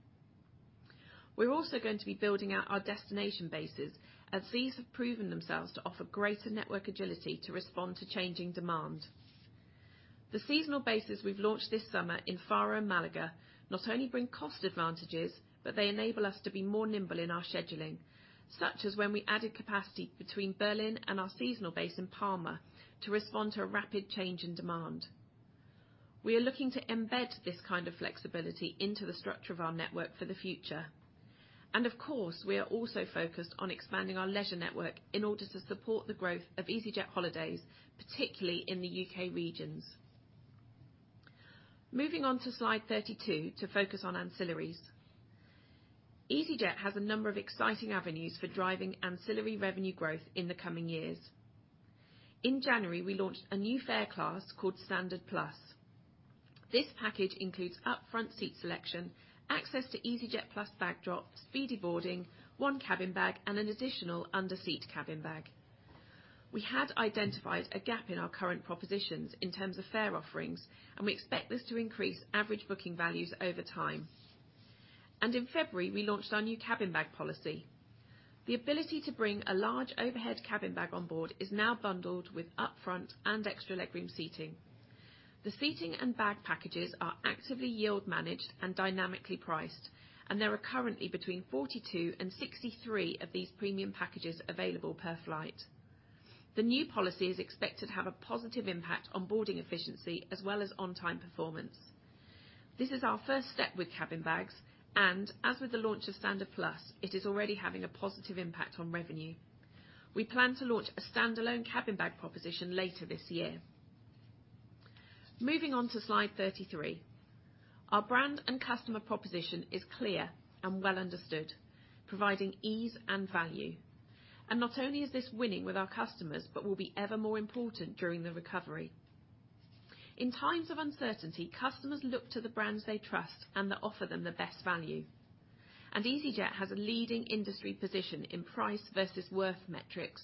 We're also going to be building out our destination bases as these have proven themselves to offer greater network agility to respond to changing demand. The seasonal bases we've launched this summer in Faro and Málaga not only bring cost advantages, but they enable us to be more nimble in our scheduling, such as when we added capacity between Berlin and our seasonal base in Palma to respond to a rapid change in demand. We are looking to embed this kind of flexibility into the structure of our network for the future. Of course, we are also focused on expanding our leisure network in order to support the growth of easyJet holidays, particularly in the U.K. regions. Moving on to slide 32 to focus on ancillaries. easyJet has a number of exciting avenues for driving ancillary revenue growth in the coming years. In January, we launched a new fare class called Standard Plus. This package includes upfront seat selection, access to easyJet Plus bag drops, speedy boarding, one cabin bag, and an additional under-seat cabin bag. We had identified a gap in our current propositions in terms of fare offerings, and we expect this to increase average booking values over time. In February, we launched our new cabin bag policy. The ability to bring a large overhead cabin bag on board is now bundled with upfront and extra legroom seating. The seating and bag packages are actively yield managed and dynamically priced. There are currently between 42 and 63 of these premium packages available per flight. The new policy is expected to have a positive impact on boarding efficiency as well as on-time performance. This is our first step with cabin bags, and as of the launch of Standard Plus, it is already having a positive impact on revenue. We plan to launch a standalone cabin bag proposition later this year. Moving on to slide 33. Our brand and customer proposition is clear and well understood, providing ease and value. Not only is this winning with our customers, but will be ever more important during the recovery. In times of uncertainty, customers look to the brands they trust and that offer them the best value. easyJet has a leading industry position in price versus worth metrics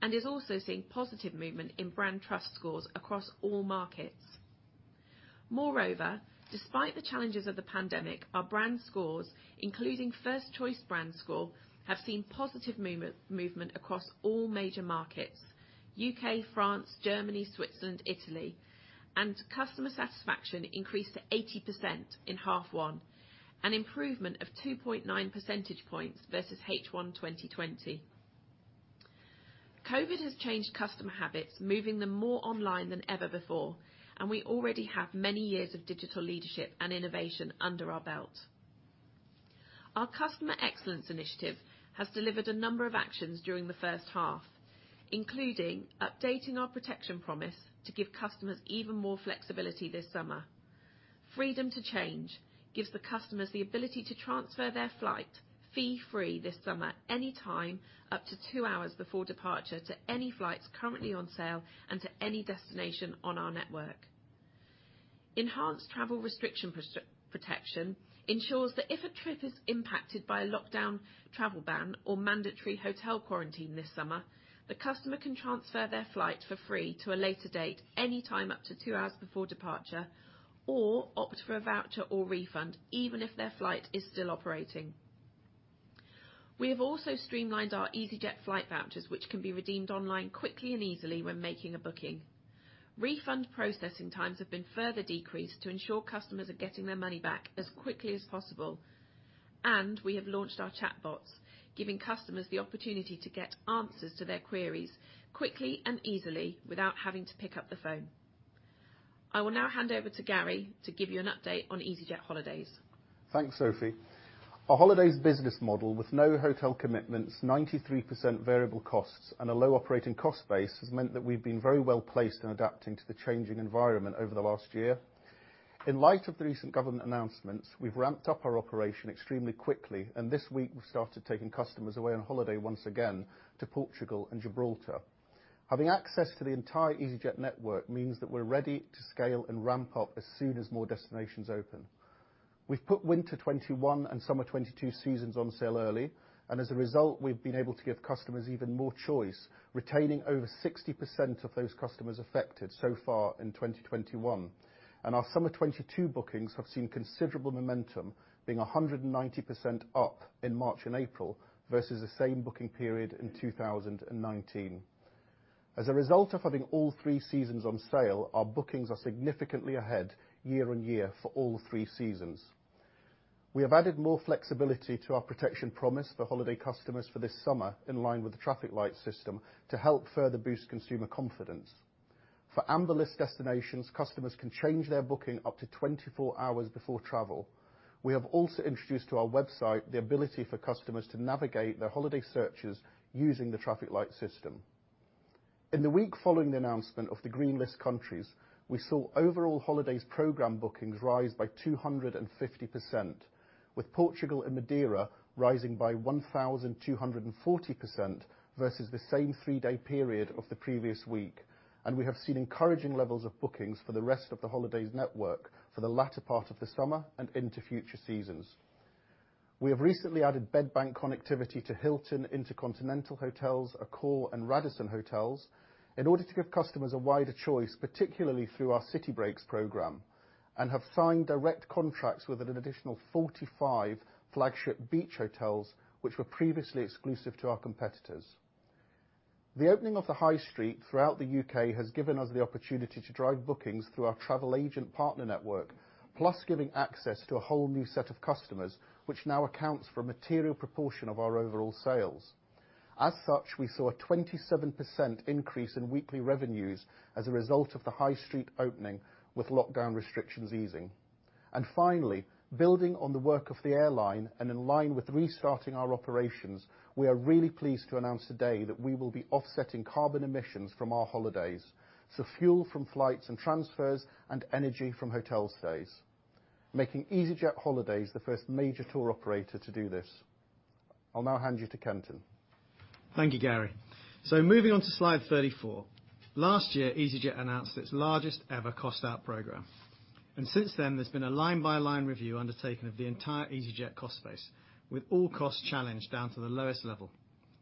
and is also seeing positive movement in brand trust scores across all markets. Moreover, despite the challenges of the pandemic, our brand scores, including first-choice brand score, have seen positive movement across all major markets, U.K., France, Germany, Switzerland, Italy, and customer satisfaction increased to 80% in half one, an improvement of 2.9 percentage points versus H1 2020. COVID has changed customer habits, moving them more online than ever before, and we already have many years of digital leadership and innovation under our belt. Our customer excellence initiative has delivered a number of actions during the first half, including updating our Protection Promise to give customers even more flexibility this summer. Freedom to Change gives the customers the ability to transfer their flight fee-free this summer anytime up to two hours before departure to any flights currently on sale and to any destination on our network. Enhanced Travel Restriction Protection ensures that if a trip is impacted by a lockdown, travel ban, or mandatory hotel quarantine this summer, the customer can transfer their flight for free to a later date, anytime up to two hours before departure, or opt for a voucher or refund, even if their flight is still operating. We have also streamlined our easyJet flight vouchers, which can be redeemed online quickly and easily when making a booking. Refund processing times have been further decreased to ensure customers are getting their money back as quickly as possible. We have launched our chatbots, giving customers the opportunity to get answers to their queries quickly and easily without having to pick up the phone. I will now hand over to Garry to give you an update on easyJet holidays. Thanks, Sophie. Our holidays business model with no hotel commitments, 93% variable costs, and a low operating cost base has meant that we've been very well-placed in adapting to the changing environment over the last year. In light of recent government announcements, we've ramped up our operation extremely quickly. This week we've started taking customers away on holiday once again to Portugal and Gibraltar. Having access to the entire easyJet network means that we're ready to scale and ramp up as soon as more destinations open. We've put winter 2021 and summer 2022 seasons on sale early. As a result, we've been able to give customers even more choice, retaining over 60% of those customers affected so far in 2021. Our summer 2022 bookings have seen considerable momentum, being 190% up in March and April versus the same booking period in 2019. As a result of having all three seasons on sale, our bookings are significantly ahead year-on-year for all three seasons. We have added more flexibility to our protection promise for holiday customers for this summer in line with the traffic light system to help further boost consumer confidence. For amber list destinations, customers can change their booking up to 24 hours before travel. We have also introduced to our website the ability for customers to navigate their holiday searches using the traffic light system. In the week following the announcement of the green list countries, we saw overall holidays program bookings rise by 250%, with Portugal and Madeira rising by 1,240% versus the same three-day period of the previous week, and we have seen encouraging levels of bookings for the rest of the holidays network for the latter part of the summer and into future seasons. We have recently added bed bank connectivity to Hilton, InterContinental Hotels, Accor, and Radisson Hotels in order to give customers a wider choice, particularly through our city breaks program, and have signed direct contracts with an additional 45 flagship beach hotels which were previously exclusive to our competitors. The opening of the high street throughout the U.K. has given us the opportunity to drive bookings through our travel agent partner network, plus giving access to a whole new set of customers, which now accounts for a material proportion of our overall sales. As such, we saw a 27% increase in weekly revenues as a result of the high street opening with lockdown restrictions easing. Finally, building on the work of the airline and in line with restarting our operations, we are really pleased to announce today that we will be offsetting carbon emissions from our holidays, so fuel from flights and transfers and energy from hotel stays, making easyJet holidays the first major tour operator to do this. I'll now hand you to Kenton. Thank you, Garry. Moving on to slide 34. Last year, easyJet announced its largest ever cost out program, and since then, there's been a line-by-line review undertaken of the entire easyJet cost base, with all costs challenged down to the lowest level.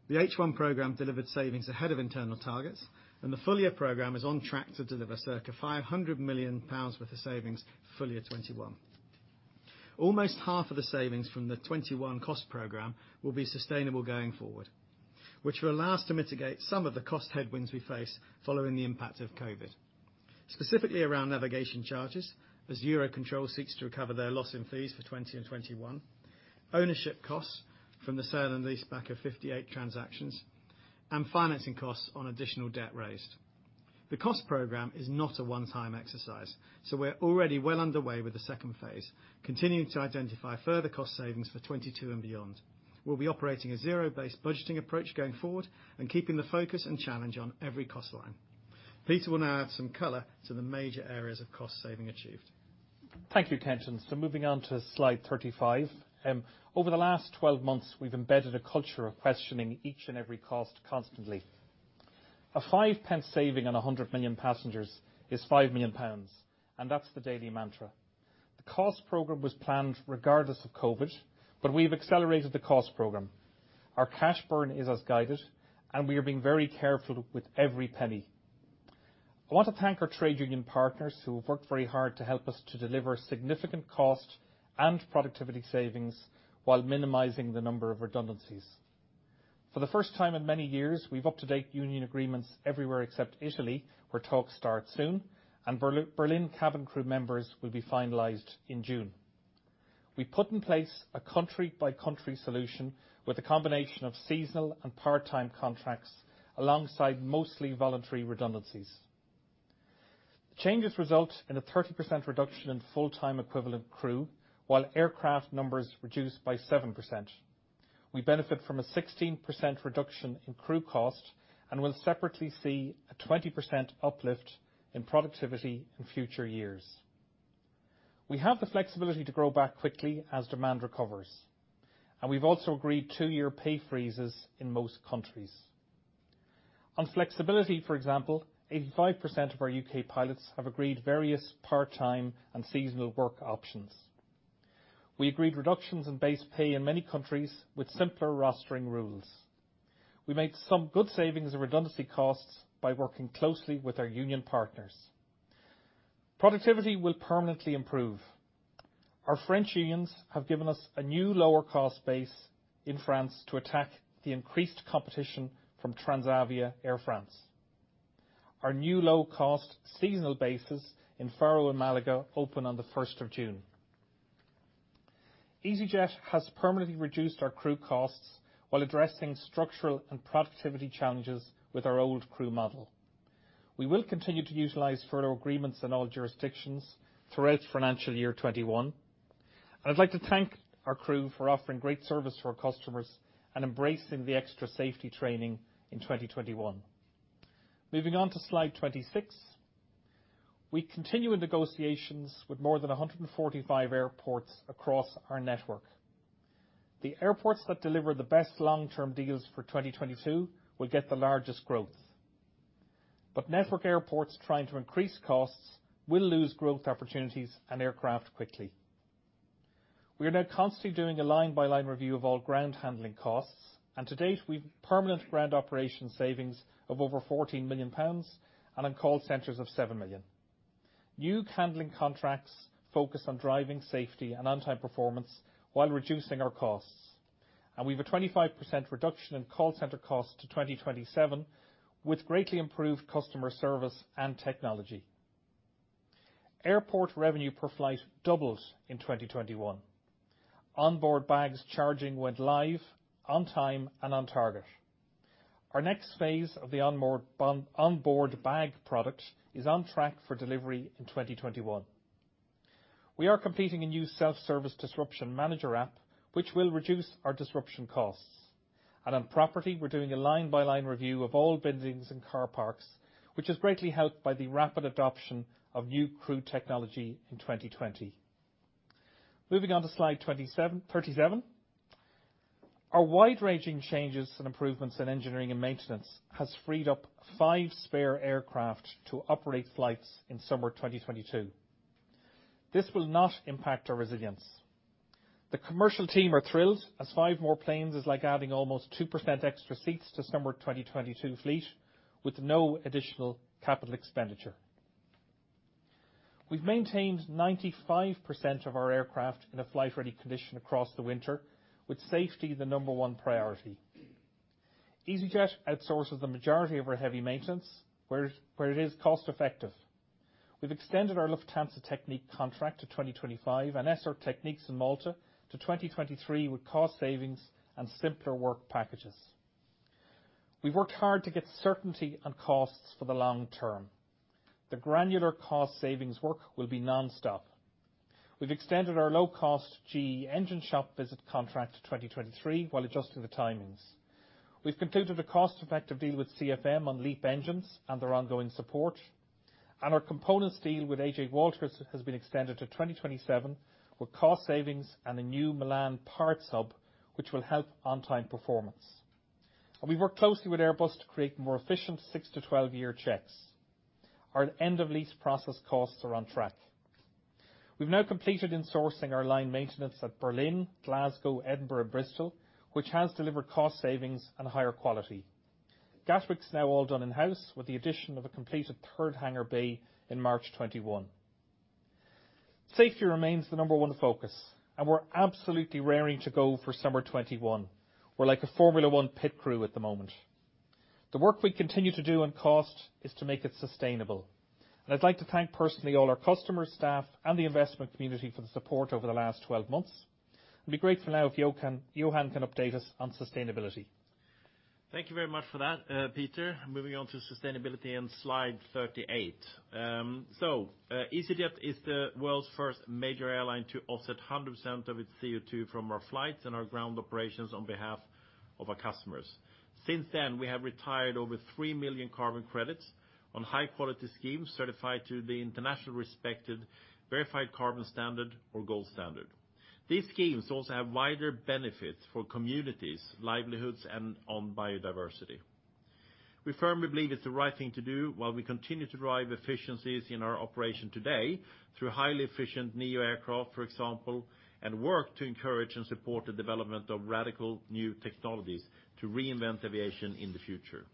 The H1 program delivered savings ahead of internal targets, and the full-year program is on track to deliver circa 500 million pounds worth of savings FY 2021. Almost half of the savings from the 2021 cost program will be sustainable going forward, which will allow us to mitigate some of the cost headwinds we face following the impact of COVID, specifically around navigation charges as Eurocontrol seeks to recover their loss in fees for 2021, ownership costs from the sale and leaseback of 58 transactions, and financing costs on additional debt raised. The cost program is not a one-time exercise. We're already well underway with the second phase, continuing to identify further cost savings for 2022 and beyond. We'll be operating a zero-based budgeting approach going forward and keeping the focus and challenge on every cost line. Peter will now add some color to the major areas of cost saving achieved. Thank you, Kenton. Moving on to slide 35. Over the last 12 months, we've embedded a culture of questioning each and every cost constantly. A 0.05 saving on 100 million passengers is 5 million pounds, and that's the daily mantra. The cost program was planned regardless of COVID, but we've accelerated the cost program. Our cash burn is as guided, and we are being very careful with every penny. I want to thank our trade union partners who have worked very hard to help us to deliver significant cost and productivity savings while minimizing the number of redundancies. For the first time in many years, we've up-to-date union agreements everywhere except Italy, where talks start soon, and Berlin cabin crew members will be finalized in June. We put in place a country-by-country solution with a combination of seasonal and part-time contracts alongside mostly voluntary redundancies. The changes result in a 30% reduction in full-time equivalent crew, while aircraft numbers reduced by 7%. We benefit from a 16% reduction in crew cost and will separately see a 20% uplift in productivity in future years. We have the flexibility to grow back quickly as demand recovers, and we've also agreed two-year pay freezes in most countries. On flexibility, for example, 85% of our U.K. pilots have agreed various part-time and seasonal work options. We agreed reductions in base pay in many countries with simpler rostering rules. We made some good savings in redundancy costs by working closely with our union partners. Productivity will permanently improve. Our French unions have given us a new lower cost base in France to attack the increased competition from Transavia Air France. Our new low-cost seasonal bases in Faro and Málaga open on the 1st of June. easyJet has permanently reduced our crew costs while addressing structural and productivity challenges with our old crew model. We will continue to utilize furlough agreements in all jurisdictions throughout FY 2021. I'd like to thank our crew for offering great service for our customers and embracing the extra safety training in 2021. Moving on to slide 26. We continue negotiations with more than 145 airports across our network. The airports that deliver the best long-term deals for 2022 will get the largest growth. Network airports trying to increase costs will lose growth opportunities and aircraft quickly. We are now constantly doing a line-by-line review of all ground handling costs. To date, we've permanent ground operation savings of over 14 million pounds and on call centers of 7 million. New handling contracts focus on driving safety and on-time performance while reducing our costs. We have a 25% reduction in call center costs to 2027 with greatly improved customer service and technology. Airport revenue per flight doubled in 2021. On-board bags charging went live on time and on target. Our next phase of the on-board bag product is on track for delivery in 2021. We are completing a new self-service disruption manager app, which will reduce our disruption costs. On property, we're doing a line-by-line review of all buildings and car parks, which is greatly helped by the rapid adoption of new crew technology in 2020. Moving on to slide 37. Our wide-ranging changes and improvements in engineering and maintenance has freed up five spare aircraft to operate flights in summer 2022. This will not impact our resilience. The commercial team are thrilled as five more planes is like adding almost 2% extra seats to summer 2022 fleet with no additional capital expenditure. We've maintained 95% of our aircraft in a flight-ready condition across the winter, with safety the number one priority. easyJet outsources the majority of our heavy maintenance where it is cost-effective. We've extended our Lufthansa Technik contract to 2025 and SR Technics in Malta to 2023 with cost savings and simpler work packages. We've worked hard to get certainty on costs for the long term. The granular cost savings work will be nonstop. We've extended our low-cost GE engine shop visit contract to 2023 while adjusting the timings. We've concluded a cost-effective deal with CFM on LEAP engines and their ongoing support. Our components deal with AJ Walter has been extended to 2027 with cost savings and a new Milan parts hub, which will help on-time performance. We work closely with Airbus to create more efficient six to 12-year checks. Our end-of-lease process costs are on track. We've now completed in-sourcing our line maintenance at Berlin, Glasgow, Edinburgh, and Bristol, which has delivered cost savings and higher quality. Gatwick's now all done in-house with the addition of a completed third hangar bay in March 2021. Safety remains the number one focus, and we're absolutely raring to go for summer 2021. We're like a Formula One pit crew at the moment. The work we continue to do on cost is to make it sustainable. I'd like to thank personally all our customers, staff, and the investment community for the support over the last 12 months. I'd be grateful now if Johan can update us on sustainability. Thank you very much for that, Peter. Moving on to sustainability on slide 38. easyJet is the world's first major airline to offset 100% of its CO2 from our flights and our ground operations on behalf of our customers. Since then, we have retired over 3 million carbon credits on high-quality schemes certified to the internationally respected Verified Carbon Standard or Gold Standard. These schemes also have wider benefits for communities, livelihoods, and on biodiversity. We firmly believe it's the right thing to do while we continue to drive efficiencies in our operation today through highly efficient neo aircraft, for example, and work to encourage and support the development of radical new technologies to reinvent aviation in the future.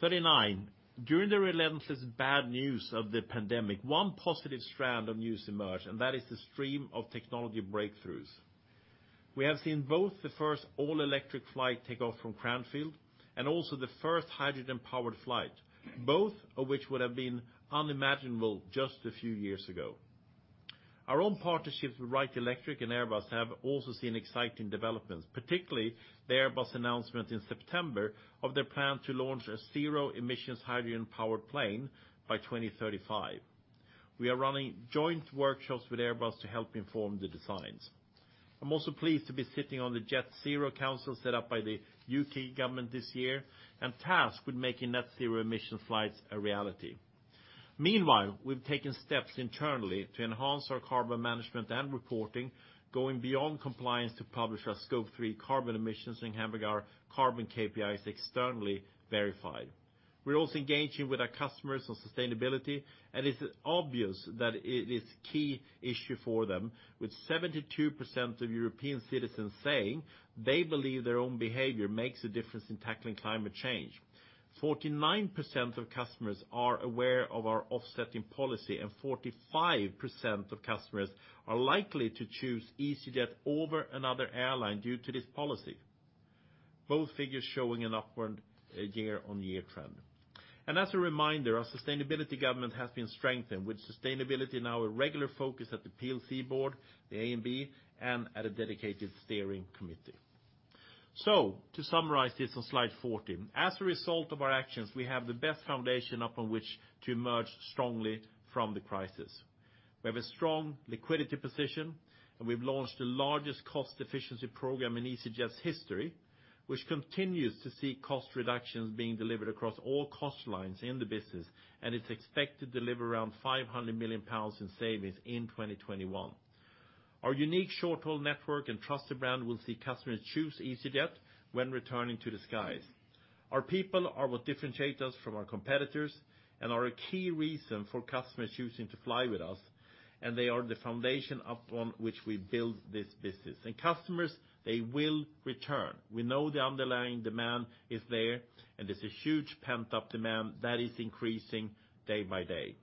39. During the relentless bad news of the pandemic, one positive strand of news emerged. That is the stream of technology breakthroughs. We have seen both the first all-electric flight take off from Cranfield, and also the first hydrogen-powered flight, both of which would've been unimaginable just a few years ago. Our own partnerships with Wright Electric and Airbus have also seen exciting developments, particularly the Airbus announcement in September of their plan to launch a zero-emissions hydrogen-powered plane by 2035. We are running joint workshops with Airbus to help inform the designs. I'm also pleased to be sitting on the Jet Zero Council set up by the U.K. government this year and tasked with making net zero emission flights a reality. Meanwhile, we've taken steps internally to enhance our carbon management and reporting, going beyond compliance to publish our Scope 3 carbon emissions and having our carbon KPIs externally verified. We're also engaging with our customers on sustainability. It is obvious that it is a key issue for them. With 72% of European citizens saying they believe their own behavior makes a difference in tackling climate change. 49% of customers are aware of our offsetting policy, and 45% of customers are likely to choose easyJet over another airline due to this policy, both figures showing an upward year-on-year trend. As a reminder, our sustainability governance has been strengthened, with sustainability now a regular focus at the PLC board, the A and B, and at a dedicated steering committee. To summarize this on slide 14, as a result of our actions, we have the best foundation upon which to emerge strongly from the crisis. We have a strong liquidity position, and we've launched the largest cost efficiency program in easyJet's history, which continues to see cost reductions being delivered across all cost lines in the business and is expected to deliver around 500 million pounds in savings in 2021. Our unique short-haul network and trusted brand will see customers choose easyJet when returning to the skies. Our people are what differentiates us from our competitors and are a key reason for customers choosing to fly with us, and they are the foundation upon which we build this business. Customers, they will return. We know the underlying demand is there, and there's a huge pent-up demand that is increasing day by day.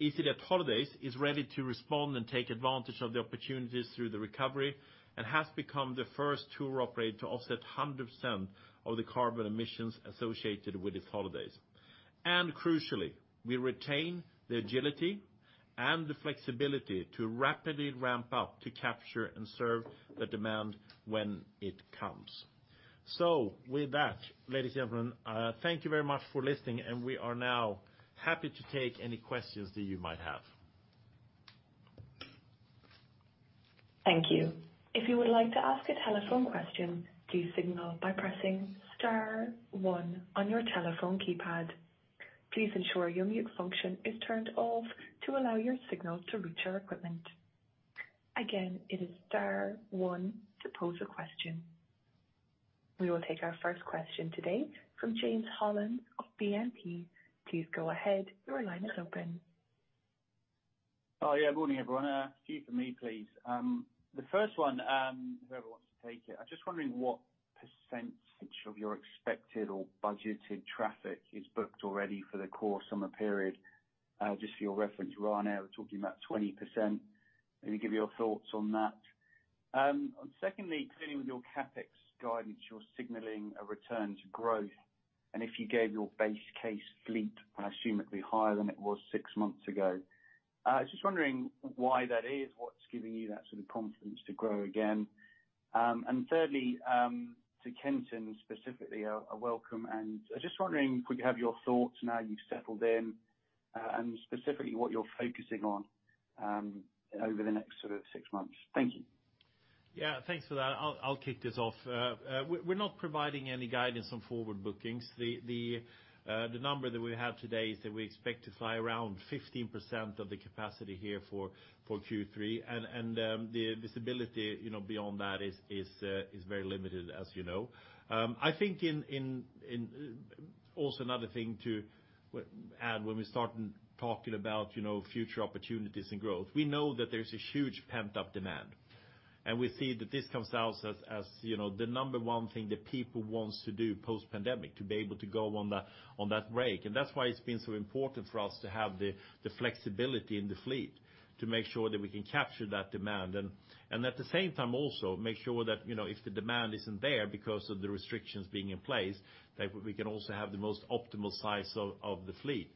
easyJet Holidays is ready to respond and take advantage of the opportunities through the recovery and has become the first tour operator to offset 100% of the carbon emissions associated with its holidays. Crucially, we retain the agility and the flexibility to rapidly ramp up to capture and serve the demand when it comes. With that, ladies and gentlemen, thank you very much for listening, and we are now happy to take any questions that you might have. Thank you. If you would like to ask a telephone question, please signal by pressing star one on your telephone keypad. Please ensure your mute function is turned off to allow your signal to reach our equipment. Again, it is star one to pose a question. We will take our first question today from James Hollins of BNP. Please go ahead. Your line is open. Morning, everyone. Two from me, please. The first one, whoever wants to take it. I'm just wondering what percentage of your expected or budgeted traffic is booked already for the core summer period. Just for your reference, Ryanair were talking about 20%. Can you give your thoughts on that? Secondly, including with your CapEx guidance, you're signaling a return to growth. If you gave your base case fleet, I assume it'd be higher than it was six months ago. I was just wondering why that is, what's giving you that sort of confidence to grow again. Thirdly, to Kenton specifically, welcome, and I'm just wondering, could we have your thoughts now you've settled in and specifically what you're focusing on over the next six months? Thank you. Yeah, thanks for that. I'll kick this off. We're not providing any guidance on forward bookings. The number that we have today is that we expect to fly around 15% of the capacity here for Q3. The visibility beyond that is very limited, as you know. I think also another thing to add when we start talking about future opportunities and growth, we know that there's a huge pent-up demand, and we see that this comes out as the number one thing that people want to do post-pandemic, to be able to go on that break. That's why it's been so important for us to have the flexibility in the fleet to make sure that we can capture that demand. At the same time also make sure that, if the demand isn't there because of the restrictions being in place, that we can also have the most optimal size of the fleet.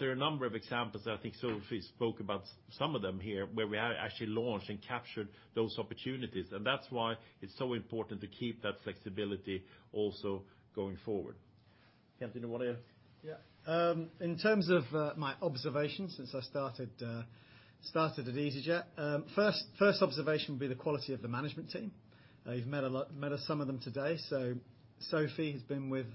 There are a number of examples, I think Sophie spoke about some of them here, where we have actually launched and captured those opportunities. That's why it's so important to keep that flexibility also going forward. Kenton. In terms of my observations since I started with easyJet, first observation would be the quality of the management team. You've met some of them today. Sophie has been with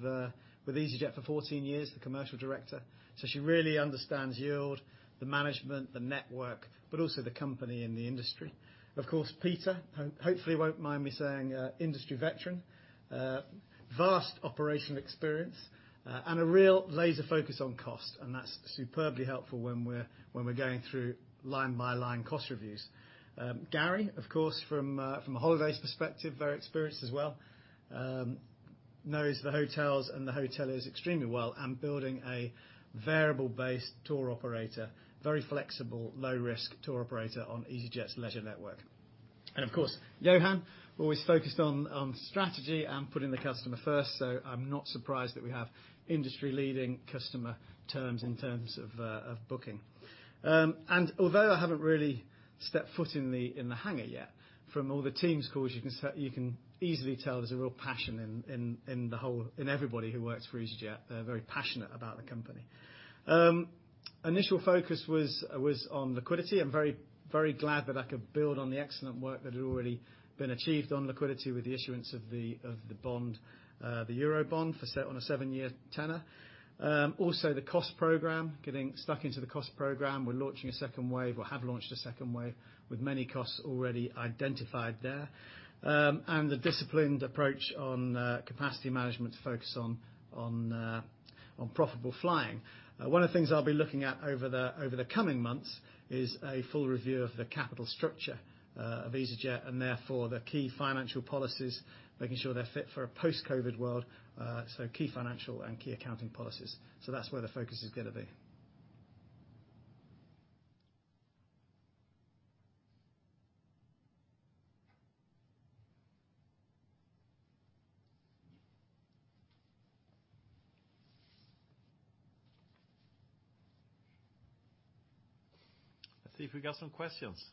easyJet for 14 years, the Commercial Director. She really understands yield, the management, the network, but also the company and the industry. Of course, Peter, hopefully he won't mind me saying, industry veteran. Vast operational experience and a real laser focus on cost, and that's superbly helpful when we're going through line-by-line cost reviews. Garry, of course, from a holidays perspective, very experienced as well. Knows the hotels and the hoteliers extremely well and building a variable based tour operator, very flexible, low risk tour operator on easyJet's leisure network. Of course, Johan always focused on strategy and putting the customer first. I'm not surprised that we have industry-leading customer terms in terms of booking. Although I haven't really stepped foot in the hangar yet, from all the teams calls, you can easily tell there's a real passion in everybody who works for easyJet. They're very passionate about the company. Initial focus was on liquidity. I'm very glad that I could build on the excellent work that had already been achieved on liquidity with the issuance of the Eurobond for seven-year tenor. The cost program, getting stuck into the cost program. We're launching a second wave. We have launched a second wave with many costs already identified there. The disciplined approach on capacity management to focus on profitable flying. One of the things I'll be looking at over the coming months is a full review of the capital structure of easyJet and therefore the key financial policies, making sure they're fit for a post-COVID world. Key financial and key accounting policies. That's where the focus is going to be. Let's see if we got some questions.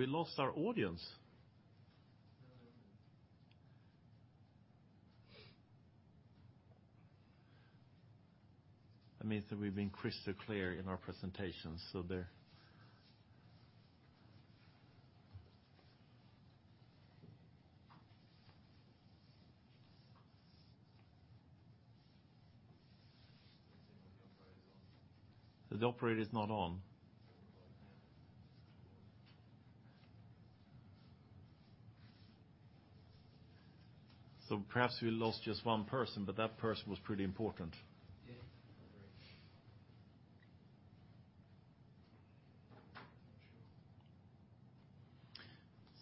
Okay. Have we lost our audience? That means that we've been crystal clear in our presentations. they're. I think the operator's not on. Perhaps we lost just one person, but that person was pretty important.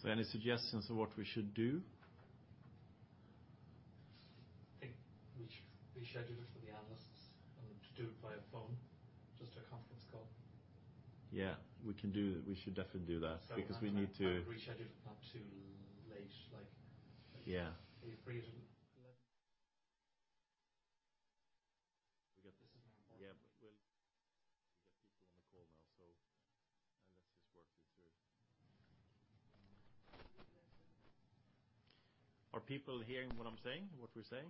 Any suggestions on what we should do? I think we should do it for the analysts and do it via phone, just a conference call. Yeah, we should definitely do that because we need to. We scheduled perhaps too late. Yeah. Are people hearing what I'm saying, what we're saying?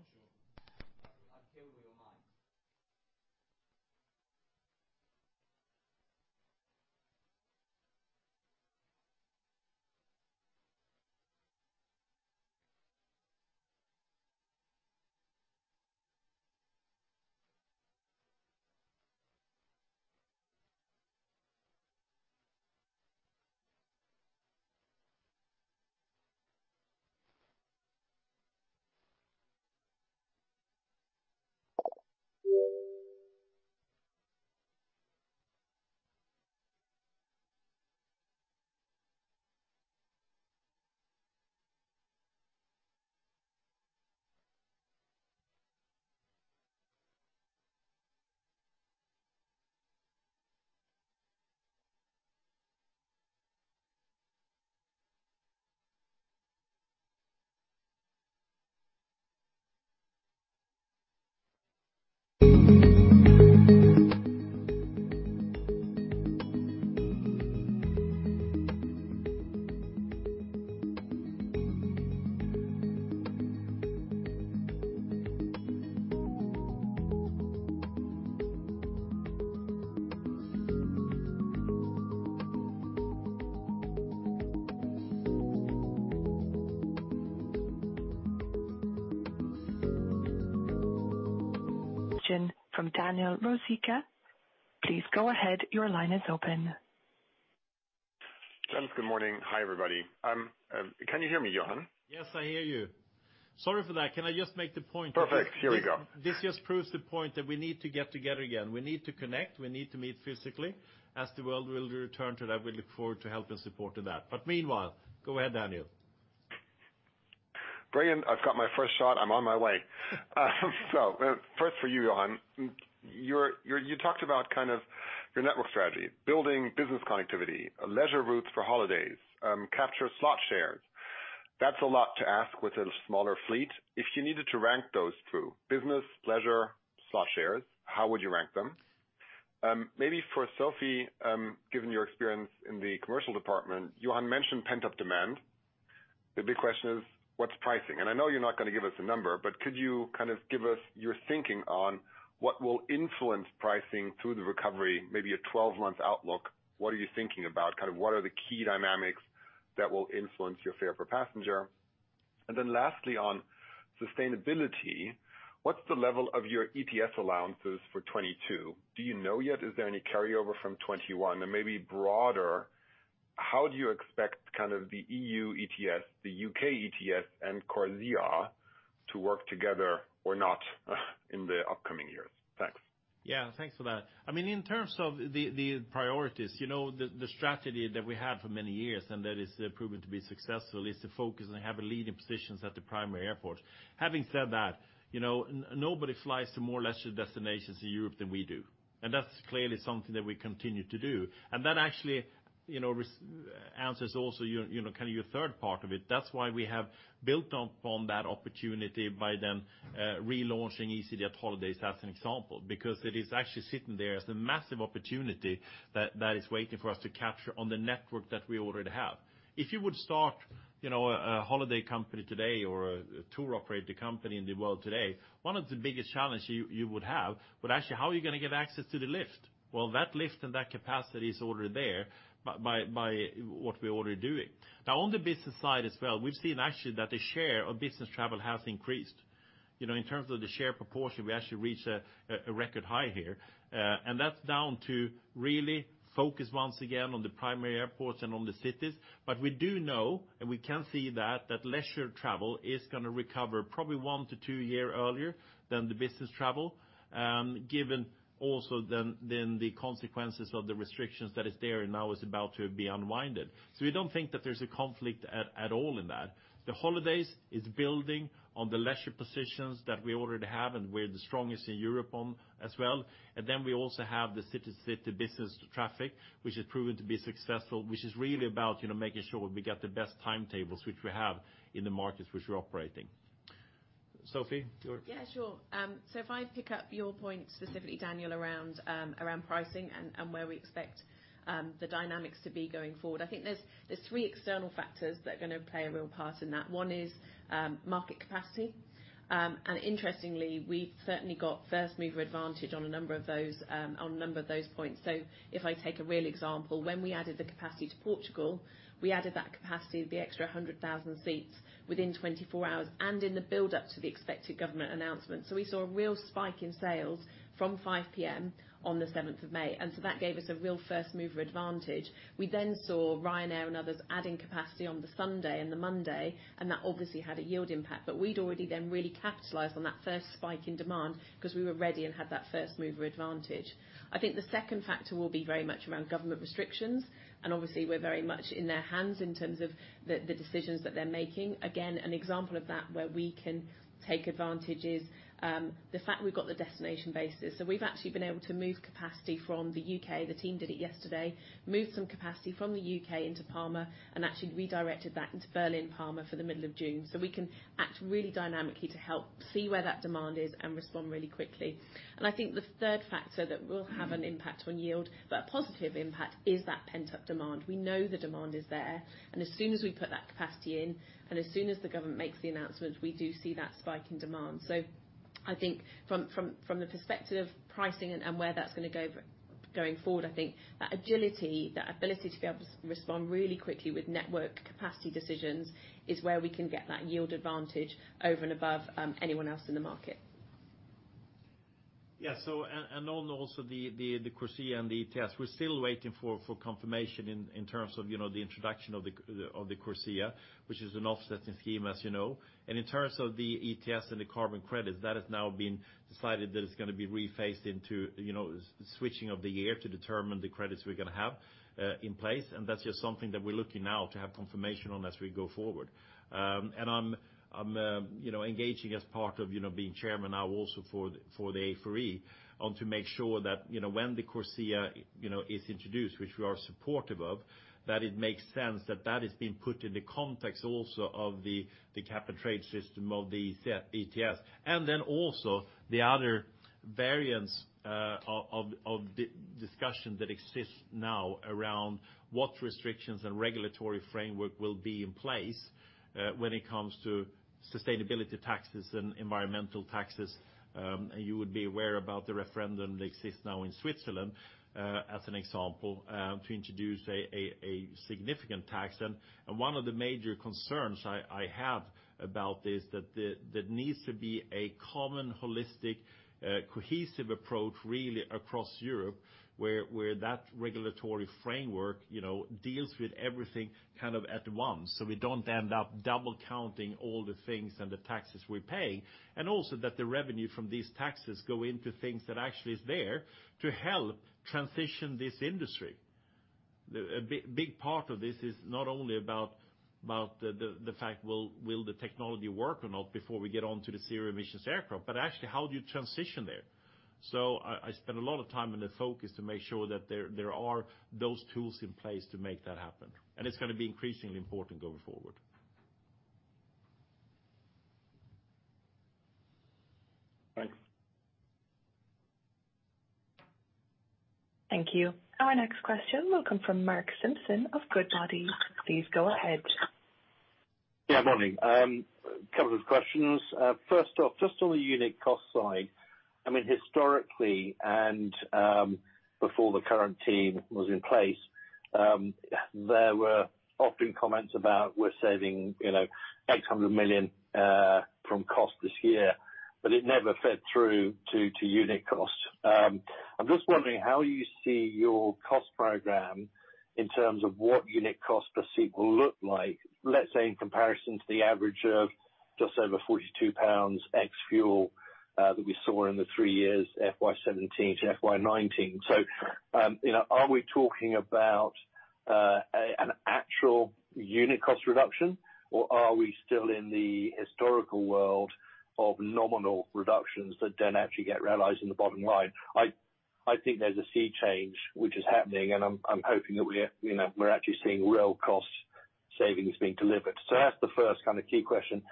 I think we are live. From Daniel Röska. Please go ahead. Your line is open. Dan, good morning. Hi, everybody. Can you hear me, Johan? Yes, I hear you. Sorry for that. Can I just make the point? Perfect. Here we go. This just proves the point that we need to get together again. We need to connect, we need to meet physically as the world will return to that. We look forward to help and support to that. Meanwhile, go ahead, Daniel. Brilliant. I've got my first shot. I'm on my way. First for you, Johan, you talked about your network strategy, building business connectivity, leisure routes for holidays, capture slot shares. That's a lot to ask within a smaller fleet. If you needed to rank those two, business, leisure, slot shares, how would you rank them? Maybe for Sophie, given your experience in the commercial department, Johan mentioned pent-up demand. The big question is, what's pricing? I know you're not going to give us a number, but could you give us your thinking on what will influence pricing through the recovery, maybe a 12-month outlook. What are you thinking about? What are the key dynamics that will influence your fare per passenger? Lastly, on sustainability, what's the level of your ETS allowances for 2022? Do you know yet? Is there any carryover from 2021? Maybe broader, how do you expect kind of the EU ETS, the UK ETS, and CORSIA to work together or not in the upcoming years? Thanks. Yeah, thanks for that. In terms of the priorities, the strategy that we have for many years, and that is proven to be successful, is to focus on having leading positions at the primary airports. Having said that, nobody flies to more leisure destinations in Europe than we do, and that's clearly something that we continue to do. That actually answers also your third part of it. That's why we have built upon that opportunity by then relaunching easyJet Holidays as an example, because it is actually sitting there as a massive opportunity that is waiting for us to capture on the network that we already have. If you would start a holiday company today or a tour operator company in the world today, one of the biggest challenges you would have would actually how are you going to get access to the lift? Well, that lift and that capacity is already there by what we're already doing. On the business side as well, we've seen actually that the share of business travel has increased. In terms of the share proportion, we actually reached a record high here. That's down to really focus once again on the primary airports and on the cities. We do know and we can see that leisure travel is going to recover probably one to two year earlier than the business travel, and given also then the consequences of the restrictions that is there now is about to be unwinded. We don't think that there's a conflict at all in that. The Holidays is building on the leisure positions that we already have, and we're the strongest in Europe on as well. We also have the city-to-city business traffic, which has proven to be successful, which is really about making sure we get the best timetables, which we have in the markets which we're operating. Sophie? Yeah, sure. If I pick up your point specifically, Daniel, around pricing and where we expect the dynamics to be going forward, I think there's three external factors that are going to play a real part in that. One is market capacity. Interestingly, we've certainly got first-mover advantage on a number of those points. If I take a real example, when we added the capacity to Portugal, we added that capacity of the extra 100,000 seats within 24 hours and in the build-up to the expected government announcement. We saw a real spike in sales from 5:00 P.M. on the 7th of May, and so that gave us a real first-mover advantage. We then saw Ryanair and others adding capacity on the Sunday and the Monday, and that obviously had a yield impact. We'd already then really capitalized on that first spike in demand because we were ready and had that first-mover advantage. I think the second factor will be very much around government restrictions, and obviously we're very much in their hands in terms of the decisions that they're making. Again, an example of that where we can take advantage is the fact we've got the destination basis. We've actually been able to move capacity from the U.K. The team did it yesterday, moved some capacity from the U.K. into Palma and actually redirected that into Berlin, Palma for the middle of June. We can act really dynamically to help see where that demand is and respond really quickly. I think the third factor that will have an impact on yield, but a positive impact is that pent-up demand. We know the demand is there, and as soon as we put that capacity in, and as soon as the government makes the announcement, we do see that spike in demand. I think from the perspective of pricing and where that's going to go going forward, I think that agility, that ability to be able to respond really quickly with network capacity decisions is where we can get that yield advantage over and above anyone else in the market. Yeah. On also the CORSIA and the ETS, we're still waiting for confirmation in terms of the introduction of the CORSIA, which is an offsetting scheme, as you know. In terms of the ETS and the carbon credits, that has now been decided that it's going to be rephased into switching of the year to determine the credits we're going to have in place, and that's just something that we're looking now to have confirmation on as we go forward. I'm engaging as part of being chairman now also for the A4E to make sure that when the CORSIA is introduced, which we are supportive of, that it makes sense that that is being put in the context also of the cap and trade system of the ETS. Also the other variants of the discussion that exists now around what restrictions and regulatory framework will be in place, when it comes to sustainability taxes and environmental taxes. You would be aware about the referendum that exists now in Switzerland, as an example, to introduce a significant tax. One of the major concerns I have about this, that there needs to be a common, holistic, cohesive approach really across Europe, where that regulatory framework deals with everything at once. We don't end up double counting all the things and the taxes we're paying, and also that the revenue from these taxes go into things that actually is there to help transition this industry. A big part of this is not only about the fact will the technology work or not before we get onto the zero-emissions aircraft, but actually how do you transition there? I spend a lot of time in the focus to make sure that there are those tools in place to make that happen, and it's going to be increasingly important going forward. Thanks. Thank you. Our next question will come from Mark Simpson of Goodbody. Please go ahead. Yeah, morning. A couple of questions. First off, just on the unit cost side, historically and before the current team was in place, there were often comments about we're saving 800 million from cost this year, but it never fed through to unit cost. I'm just wondering how you see your cost program in terms of what unit cost per seat will look like, let's say, in comparison to the average of just over 42 pounds ex fuel that we saw in the three years FY 2017 to FY 2019. Are we talking about an actual unit cost reduction, or are we still in the historical world of nominal reductions that don't actually get realized in the bottom line? I think there's a sea change which is happening, and I'm hoping that we're actually seeing real cost savings being delivered. That's the first key question.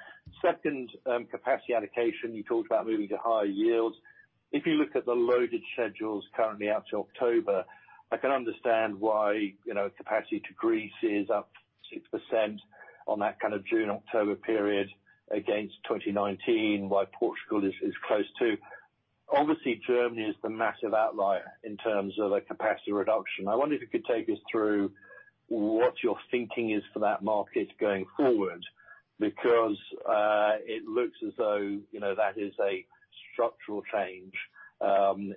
Second, capacity allocation. You talked about moving to higher yields. If you look at the loaded schedules currently out to October, I can understand why capacity to Greece is up 6% on that June, October period against 2019, why Portugal is close too. Obviously, Germany is the massive outlier in terms of a capacity reduction. I wonder if you could take us through what your thinking is for that market going forward because it looks as though that is a structural change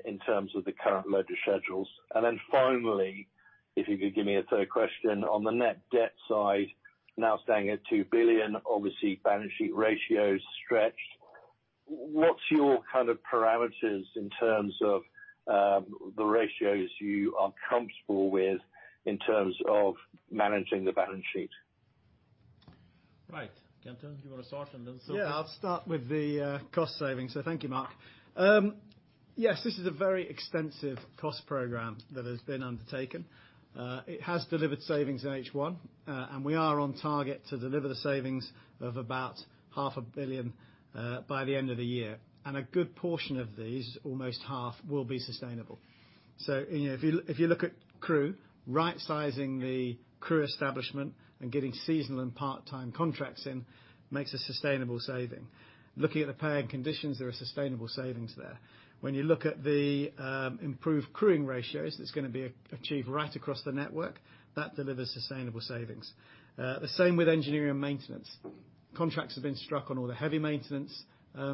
in terms of the current loader schedules. Finally, if you could give me a third question on the net debt side, now standing at 2 billion, obviously balance sheet ratio is stretched. What's your kind of parameters in terms of the ratios you are comfortable with in terms of managing the balance sheet? Right. Kenton, do you want to start? Yeah, I'll start with the cost savings. Thank you, Mark. Yes, this is a very extensive cost program that has been undertaken. It has delivered savings in H1, and we are on target to deliver savings of about half a billion by the end of the year. And a good portion of these, almost half, will be sustainable. If you look at crew, right-sizing the crew establishment and getting seasonal and part-time contracts in makes a sustainable saving. Looking at the pay and conditions, there are sustainable savings there. When you look at the improved crewing ratios, it's going to be achieved right across the network, that delivers sustainable savings. The same with engineering maintenance. Contracts have been struck on all the heavy maintenance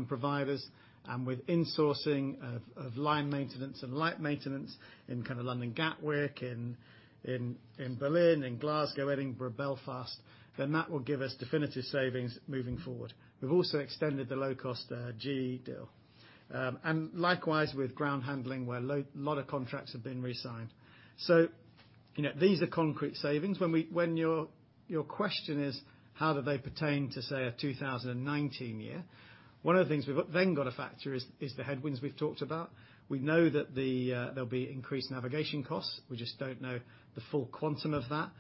providers and with insourcing of line maintenance and light maintenance in London Gatwick, in Berlin, in Glasgow, Edinburgh, Belfast, that will give us definitive savings moving forward. We've also extended the low-cost GE deal. Likewise, with ground handling, where a lot of contracts have been resigned. These are concrete savings. When your question is how do they pertain to, say, a 2019 year, one of the things we've then got to factor is the headwinds we've talked about. We know that there'll be increased navigation costs. We just don't know the full quantum of that.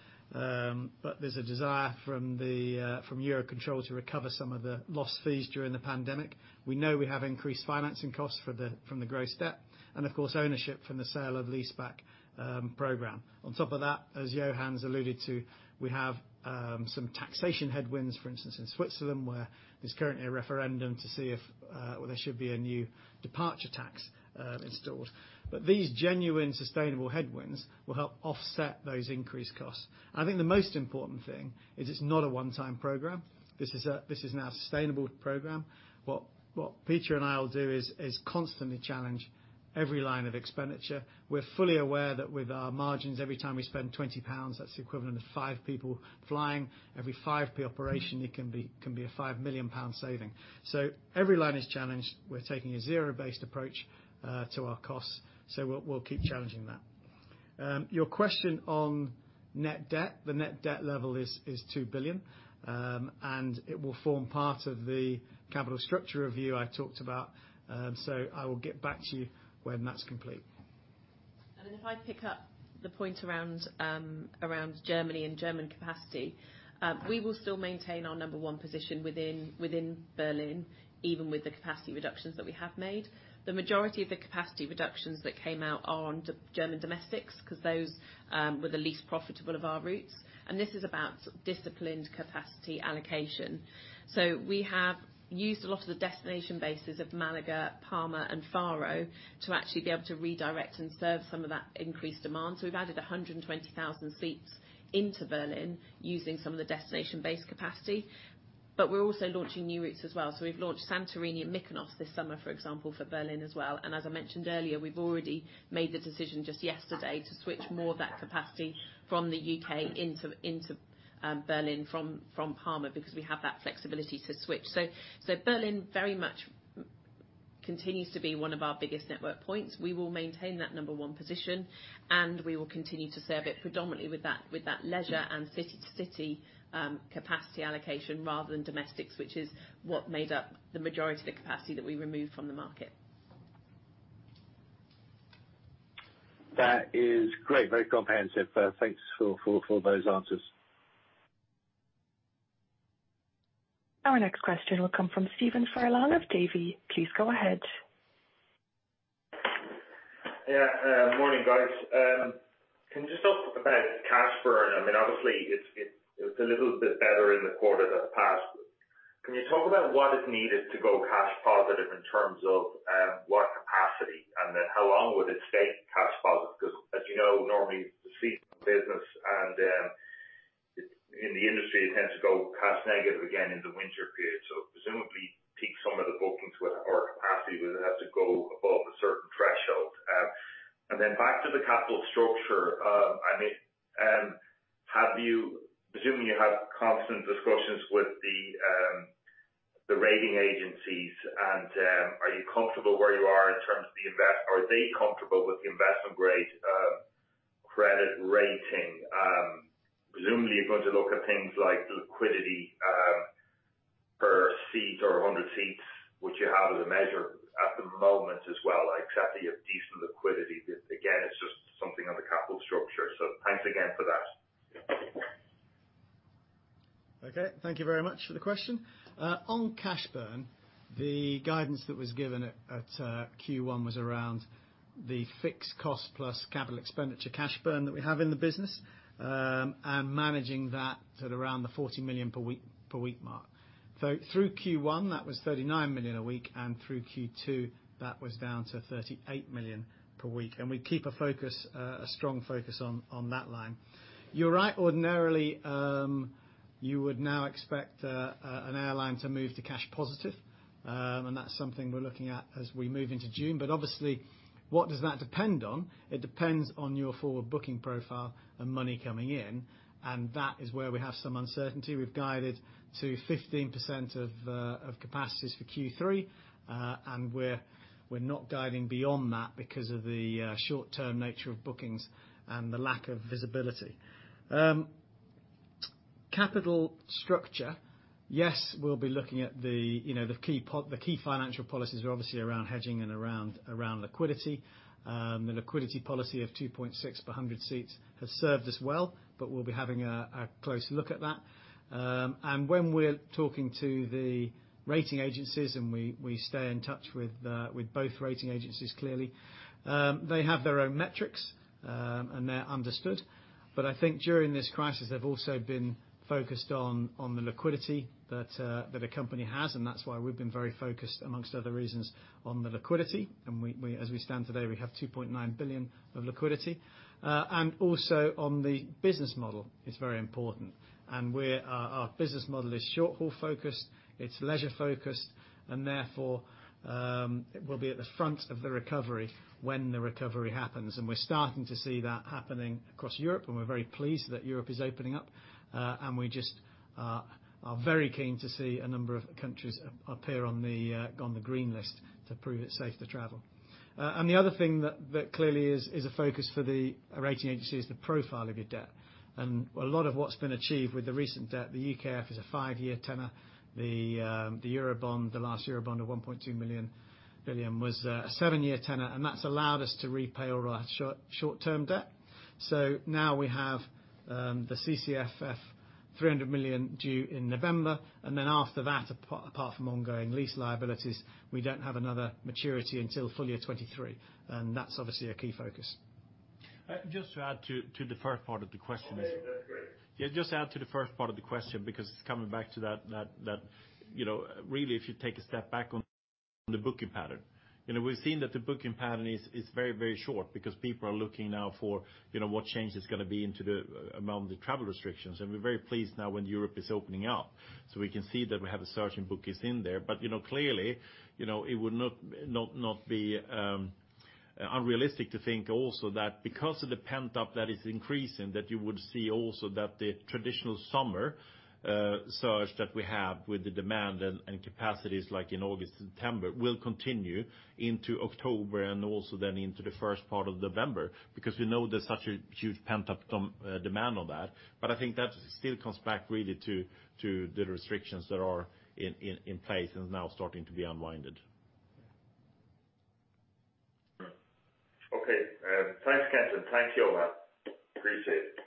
There's a desire from Eurocontrol to recover some of the lost fees during the pandemic. We know we have increased financing costs from the growth debt and of course, ownership from the sale of leaseback program. On top of that, as Johan alluded to, we have some taxation headwinds, for instance, in Switzerland, where there's currently a referendum to see if there should be a new departure tax installed. These genuine sustainable headwinds will help offset those increased costs. I think the most important thing is it's not a one-time program. This is now a sustainable program. What Peter and I will do is constantly challenge every line of expenditure. We're fully aware that with our margins, every time we spend 20 pounds, that's equivalent to five people flying. Every 0.05 operation, it can be a 5 million pound saving. Every line is challenged. We're taking a zero-based approach to our costs, so we'll keep challenging that. Your question on net debt, the net debt level is 2 billion, and it will form part of the capital structure review I talked about. I will get back to you when that's complete. If I pick up the point around Germany and German capacity, we will still maintain our number one position within Berlin, even with the capacity reductions that we have made. The majority of the capacity reductions that came out are on German domestics because those were the least profitable of our routes, and this is about disciplined capacity allocation. We have used a lot of the destination bases of Málaga, Palma, and Faro to actually be able to redirect and serve some of that increased demand. We have added 120,000 seats into Berlin using some of the destination-based capacity. We are also launching new routes as well. We have launched Santorini and Mykonos this summer, for example, for Berlin as well. As I mentioned earlier, we've already made the decision just yesterday to switch more of that capacity from the U.K. into Berlin from Palma because we have that flexibility to switch. Berlin very much continues to be one of our biggest network points. We will maintain that number one position, and we will continue to serve it predominantly with that leisure and city-to-city capacity allocation rather than domestics, which is what made up the majority of the capacity that we removed from the market. That is great. Very comprehensive. Thanks for those answers. Our next question will come from Stephen Furlong of Davy. Please go ahead. Morning, guys. Can you talk about cash burn? I mean, obviously, it's a little bit better in the quarter that passed. Can you talk about what is needed to go cash positive in terms of what capacity, and then how long would it stay cash positive? As you know, normally it's a seasonal business, and in the industry, it tends to go cash negative again in the winter period. Presumably peak summer bookings or capacity would have to go above a certain threshold. Back to the capital structure. Assuming you have constant discussions with the rating agencies, are they comfortable with the investment grade credit rating? You're going to look at things like liquidity per seat or 100 seats, which you have as a measure at the moment as well. Exactly, a decent liquidity. Again, it's just something on the capital structure. Thanks again for that. Thank you very much for the question. On cash burn, the guidance that was given at Q1 was around the fixed cost plus capital expenditure cash burn that we have in the business, managing that at around the 40 million per week mark. Through Q1, that was 39 million a week, through Q2, that was down to 38 million per week. We keep a strong focus on that line. You're right, ordinarily, you would now expect an airline to move to cash positive, that's something we're looking at as we move into June. Obviously, what does that depend on? It depends on your forward booking profile and money coming in, that is where we have some uncertainty. We've guided to 15% of capacities for Q3, and we're not guiding beyond that because of the short-term nature of bookings and the lack of visibility. Capital structure. Yes, we'll be looking at the key financial policies are obviously around hedging and around liquidity. The liquidity policy of 2.6 per 100 seats has served us well, but we'll be having a close look at that. When we're talking to the rating agencies, and we stay in touch with both rating agencies clearly, they have their own metrics, and they're understood. I think during this crisis, they've also been focused on the liquidity that a company has, and that's why we've been very focused, amongst other reasons, on the liquidity. As we stand today, we have 2.9 billion of liquidity. Also on the business model, it's very important. Our business model is short-haul focused, it's leisure focused, and therefore, it will be at the front of the recovery when the recovery happens. We're starting to see that happening across Europe, and we're very pleased that Europe is opening up. We just are very keen to see a number of countries appear on the green list to prove it's safe to travel. The other thing that clearly is a focus for the rating agency is the profile of your debt. A lot of what's been achieved with the recent debt, the UKEF, is a five-year tenor. The last Eurobond of 1.2 billion was a seven-year tenor, and that's allowed us to repay all our short-term debt. Now we have the CCFF 300 million due in November, and then after that, apart from ongoing lease liabilities, we don't have another maturity until FY 2023, and that's obviously a key focus. Just to add to the first part of the question. Okay, that's great. Yeah, just to add to the first part of the question, because coming back to that, really if you take a step back on the booking pattern. We've seen that the booking pattern is very, very short because people are looking now for what change is going to be into the amount of the travel restrictions. We're very pleased now when Europe is opening up. We can see that we have a certain book is in there. Clearly, it would not be unrealistic to think also that because of the pent-up that is increasing, that you would see also that the traditional summer surge that we have with the demand and capacities like in August, September will continue into October and also then into the first part of November. Because we know there's such a huge pent-up demand on that. I think that still comes back really to the restrictions that are in place and now starting to be unwound. Okay. Thanks, Kenton. Thank you, Johan. Appreciate it.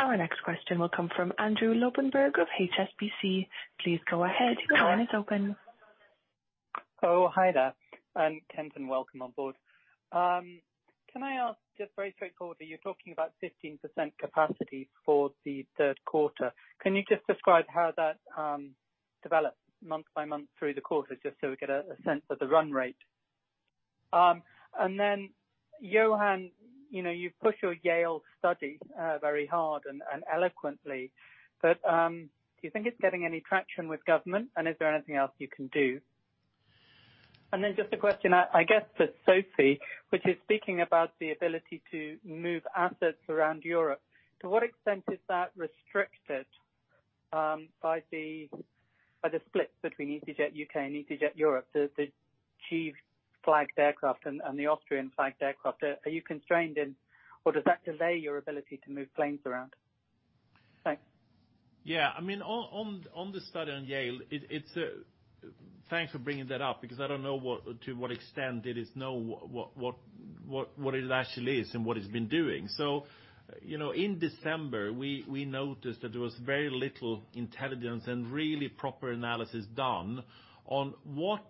Our next question will come from Andrew Lobbenberg of HSBC. Please go ahead, your line is open. Hi there, Kenton. Welcome on board. Can I ask just very straightforwardly, you're talking about 15% capacity for the third quarter. Can you just describe how that develops month by month through the quarter, just so we get a sense of the run rate? Johan, you've pushed your Yale study very hard and eloquently, but do you think it's getting any traction with government? Is there anything else you can do? Just a question, I guess, to Sophie, which is speaking about the ability to move assets around Europe. To what extent is that restricted by the split between easyJet UK and easyJet Europe, the G-flagged aircraft aircraft and the Austrian flagged aircraft? Are you constrained in or does that delay your ability to move planes around? Thanks. Yeah, on the study on Yale, thanks for bringing that up because I don't know to what extent it is known what it actually is and what it's been doing. In December, we noticed that there was very little intelligence and really proper analysis done on what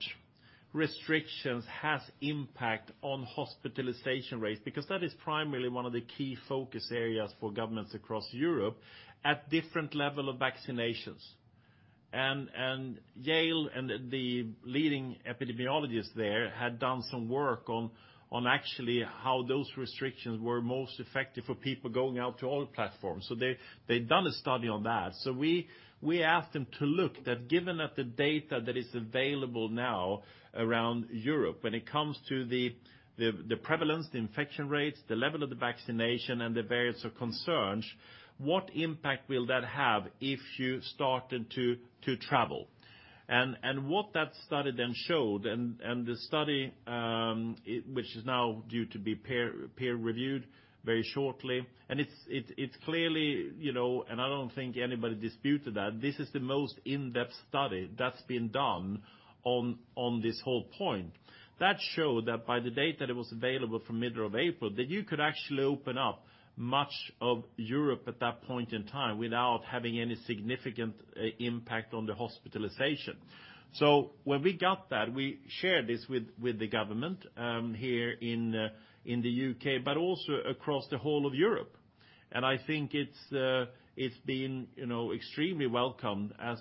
restrictions has impact on hospitalization rates, because that is primarily one of the key focus areas for governments across Europe at different level of vaccinations. Yale and the leading epidemiologist there had done some work on actually how those restrictions were most effective for people going out to all platforms. They'd done a study on that. We asked them to look that given that the data that is available now around Europe when it comes to the prevalence, the infection rates, the level of the vaccination, and the variants of concerns, what impact will that have if you started to travel? What that study then showed, and the study, which is now due to be peer reviewed very shortly, and it's clearly, and I don't think anybody disputed that, this is the most in-depth study that's been done on this whole point. That showed that by the date that it was available for middle of April, that you could actually open up much of Europe at that point in time without having any significant impact on the hospitalization. When we got that, we shared this with the government, here in the U.K., but also across the whole of Europe. I think it's been extremely welcome as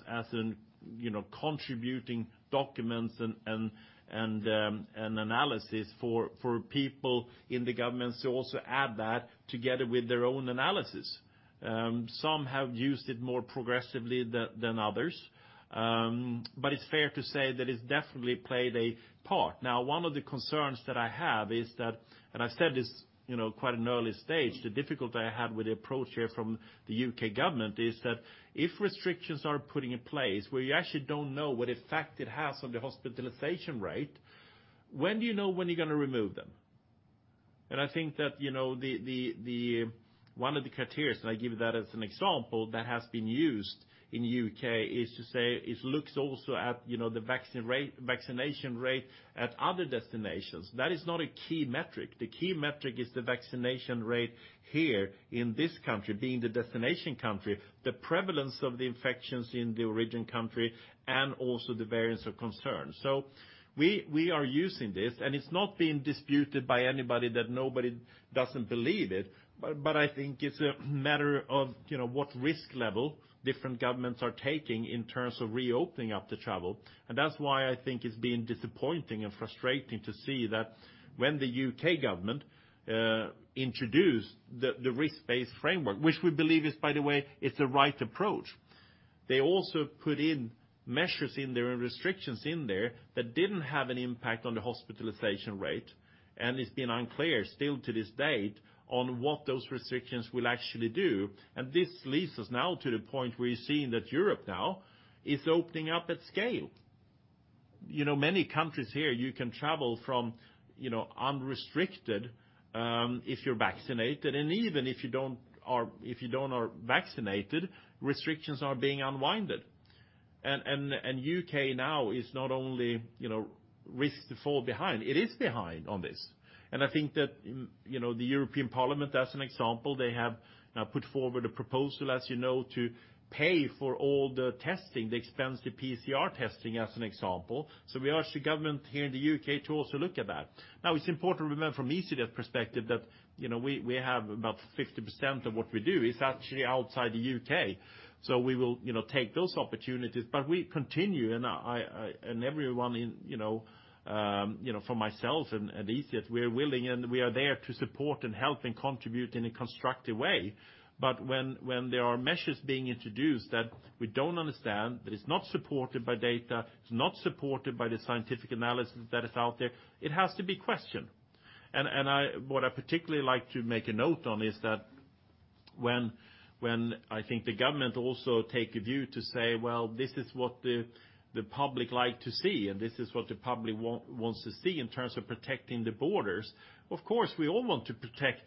contributing documents and analysis for people in the governments to also add that together with their own analysis. Some have used it more progressively than others. It's fair to say that it's definitely played a part. One of the concerns that I have is that, and I said this quite an early stage, the difficulty I have with the approach here from the U.K. government is that if restrictions are put in place where you actually don't know what effect it has on the hospitalization rate, when do you know when you're going to remove them? I think that one of the criteria, and I give that as an example that has been used in the U.K., is to say it looks also at the vaccination rate at other destinations. That is not a key metric. The key metric is the vaccination rate here in this country, being the destination country, the prevalence of the infections in the origin country, and also the variants of concern. We are using this, and it's not being disputed by anybody that nobody doesn't believe it. I think it's a matter of what risk level different governments are taking in terms of reopening up the travel. That's why I think it's been disappointing and frustrating to see that when the U.K. government introduced the risk-based framework, which we believe is, by the way, is the right approach. They also put in measures in there and restrictions in there that didn't have an impact on the hospitalization rate. It's been unclear still to this date on what those restrictions will actually do. This leads us now to the point where you're seeing that Europe now is opening up at scale. Many countries here you can travel from unrestricted, if you're vaccinated, and even if you don't are vaccinated, restrictions are being unwinded. U.K. now is not only risks to fall behind, it is behind on this. I think that the European Parliament, as an example, they have now put forward a proposal, as you know, to pay for all the testing, the extensive PCR testing, as an example. We asked the government here in the U.K. to also look at that. It's important to remember from easyJet perspective that we have about 50% of what we do is actually outside the U.K. We will take those opportunities, but we continue, and everyone, for myself and easyJet, we are willing and we are there to support and help and contribute in a constructive way. When there are measures being introduced that we don't understand, that it's not supported by data, it's not supported by the scientific analysis that is out there, it has to be questioned. What I particularly like to make a note on is that when I think the government also take a view to say, "Well, this is what the public like to see, and this is what the public wants to see in terms of protecting the borders." Of course, we all want to protect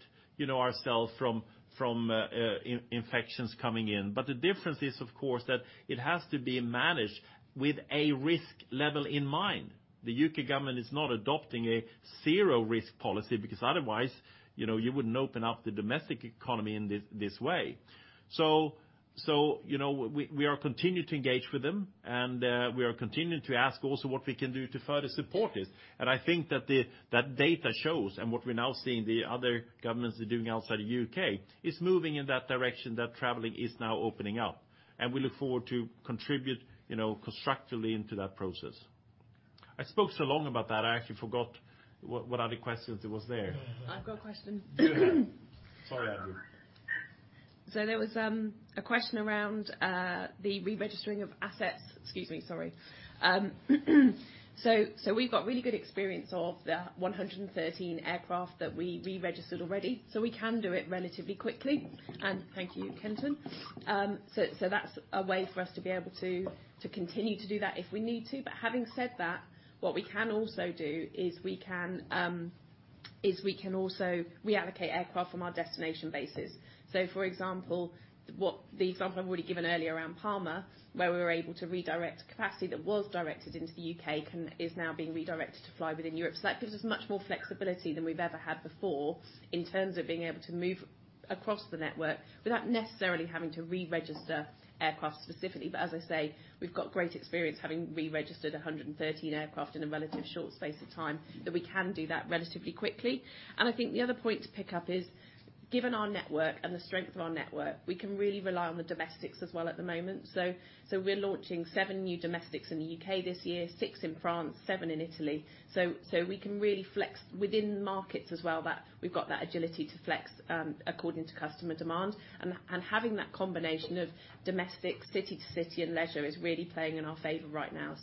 ourselves from infections coming in. The difference is, of course, that it has to be managed with a risk level in mind. The U.K. government is not adopting a zero-risk policy because otherwise, you wouldn't open up the domestic economy in this way. We are continuing to engage with them, and we are continuing to ask also what we can do to further support this. I think that data shows, and what we're now seeing the other governments are doing outside the U.K., is moving in that direction that traveling is now opening up. We look forward to contribute constructively into that process. I spoke so long about that I actually forgot what other questions there was there. I've got a question. Sorry, Andrew. There was a question around the re-registering of assets. Excuse me, sorry. We've got really good experience of the 113 aircraft that we re-registered already, so we can do it relatively quickly. Thank you, Kenton. That's a way for us to be able to continue to do that if we need to. Having said that, what we can also do is we can also reallocate aircraft on our destination bases. For example, the example I've already given earlier around Palma, where we were able to redirect capacity that was directed into the U.K. is now being redirected to fly within Europe. That gives us much more flexibility than we've ever had before in terms of being able to move Across the network without necessarily having to re-register aircraft specifically. As I say, we've got great experience having re-registered 113 aircraft in a relatively short space of time, that we can do that relatively quickly. I think the other point to pick up is, given our network and the strength of our network, we can really rely on the domestics as well at the moment. We're launching seven new domestics in the U.K. this year, six in France, seven in Italy. We can really flex within markets as well, that we've got that agility to flex according to customer demand. Having that combination of domestic city to city and leisure is really playing in our favor right now.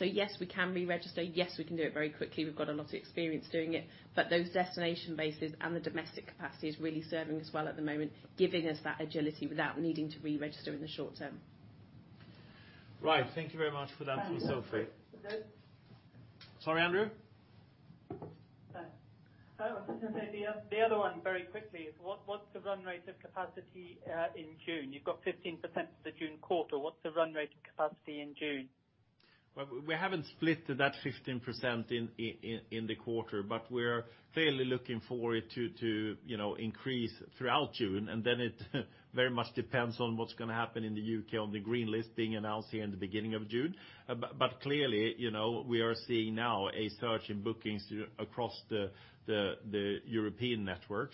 Yes, we can re-register, yes, we can do it very quickly. We've got a lot of experience doing it. Those destination bases and the domestic capacity is really serving us well at the moment, giving us that agility without needing to re-register in the short term. Right. Thank you very much for that, Sophie. Sorry, Andrew? The other one very quickly is what's the run rate of capacity in June? You've got 15% for the June quarter. What's the run rate capacity in June? We haven't split that 15% in the quarter, we're clearly looking forward to increase throughout June, and then it very much depends on what's going to happen in the U.K. on the green listing announcing at the beginning of June. Clearly, we are seeing now a surge in bookings across the European network.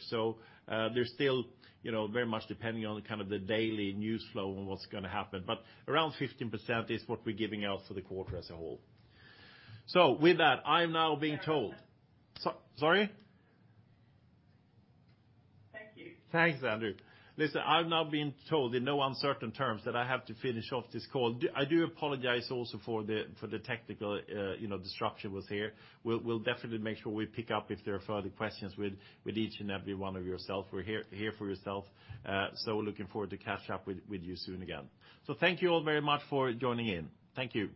They're still very much depending on kind of the daily news flow on what's going to happen. Around 15% is what we're giving out for the quarter as a whole. With that, I'm now being told- Thank you. Sorry? Thank you. Thanks, Andrew. I'm now being told in no uncertain terms that I have to finish off this call. I do apologize also for the technical disruption with here. We'll definitely make sure we pick up if there are further questions with each and every one of yourself. We're here for yourself. Looking forward to catching up with you soon again. Thank you all very much for joining in. Thank you.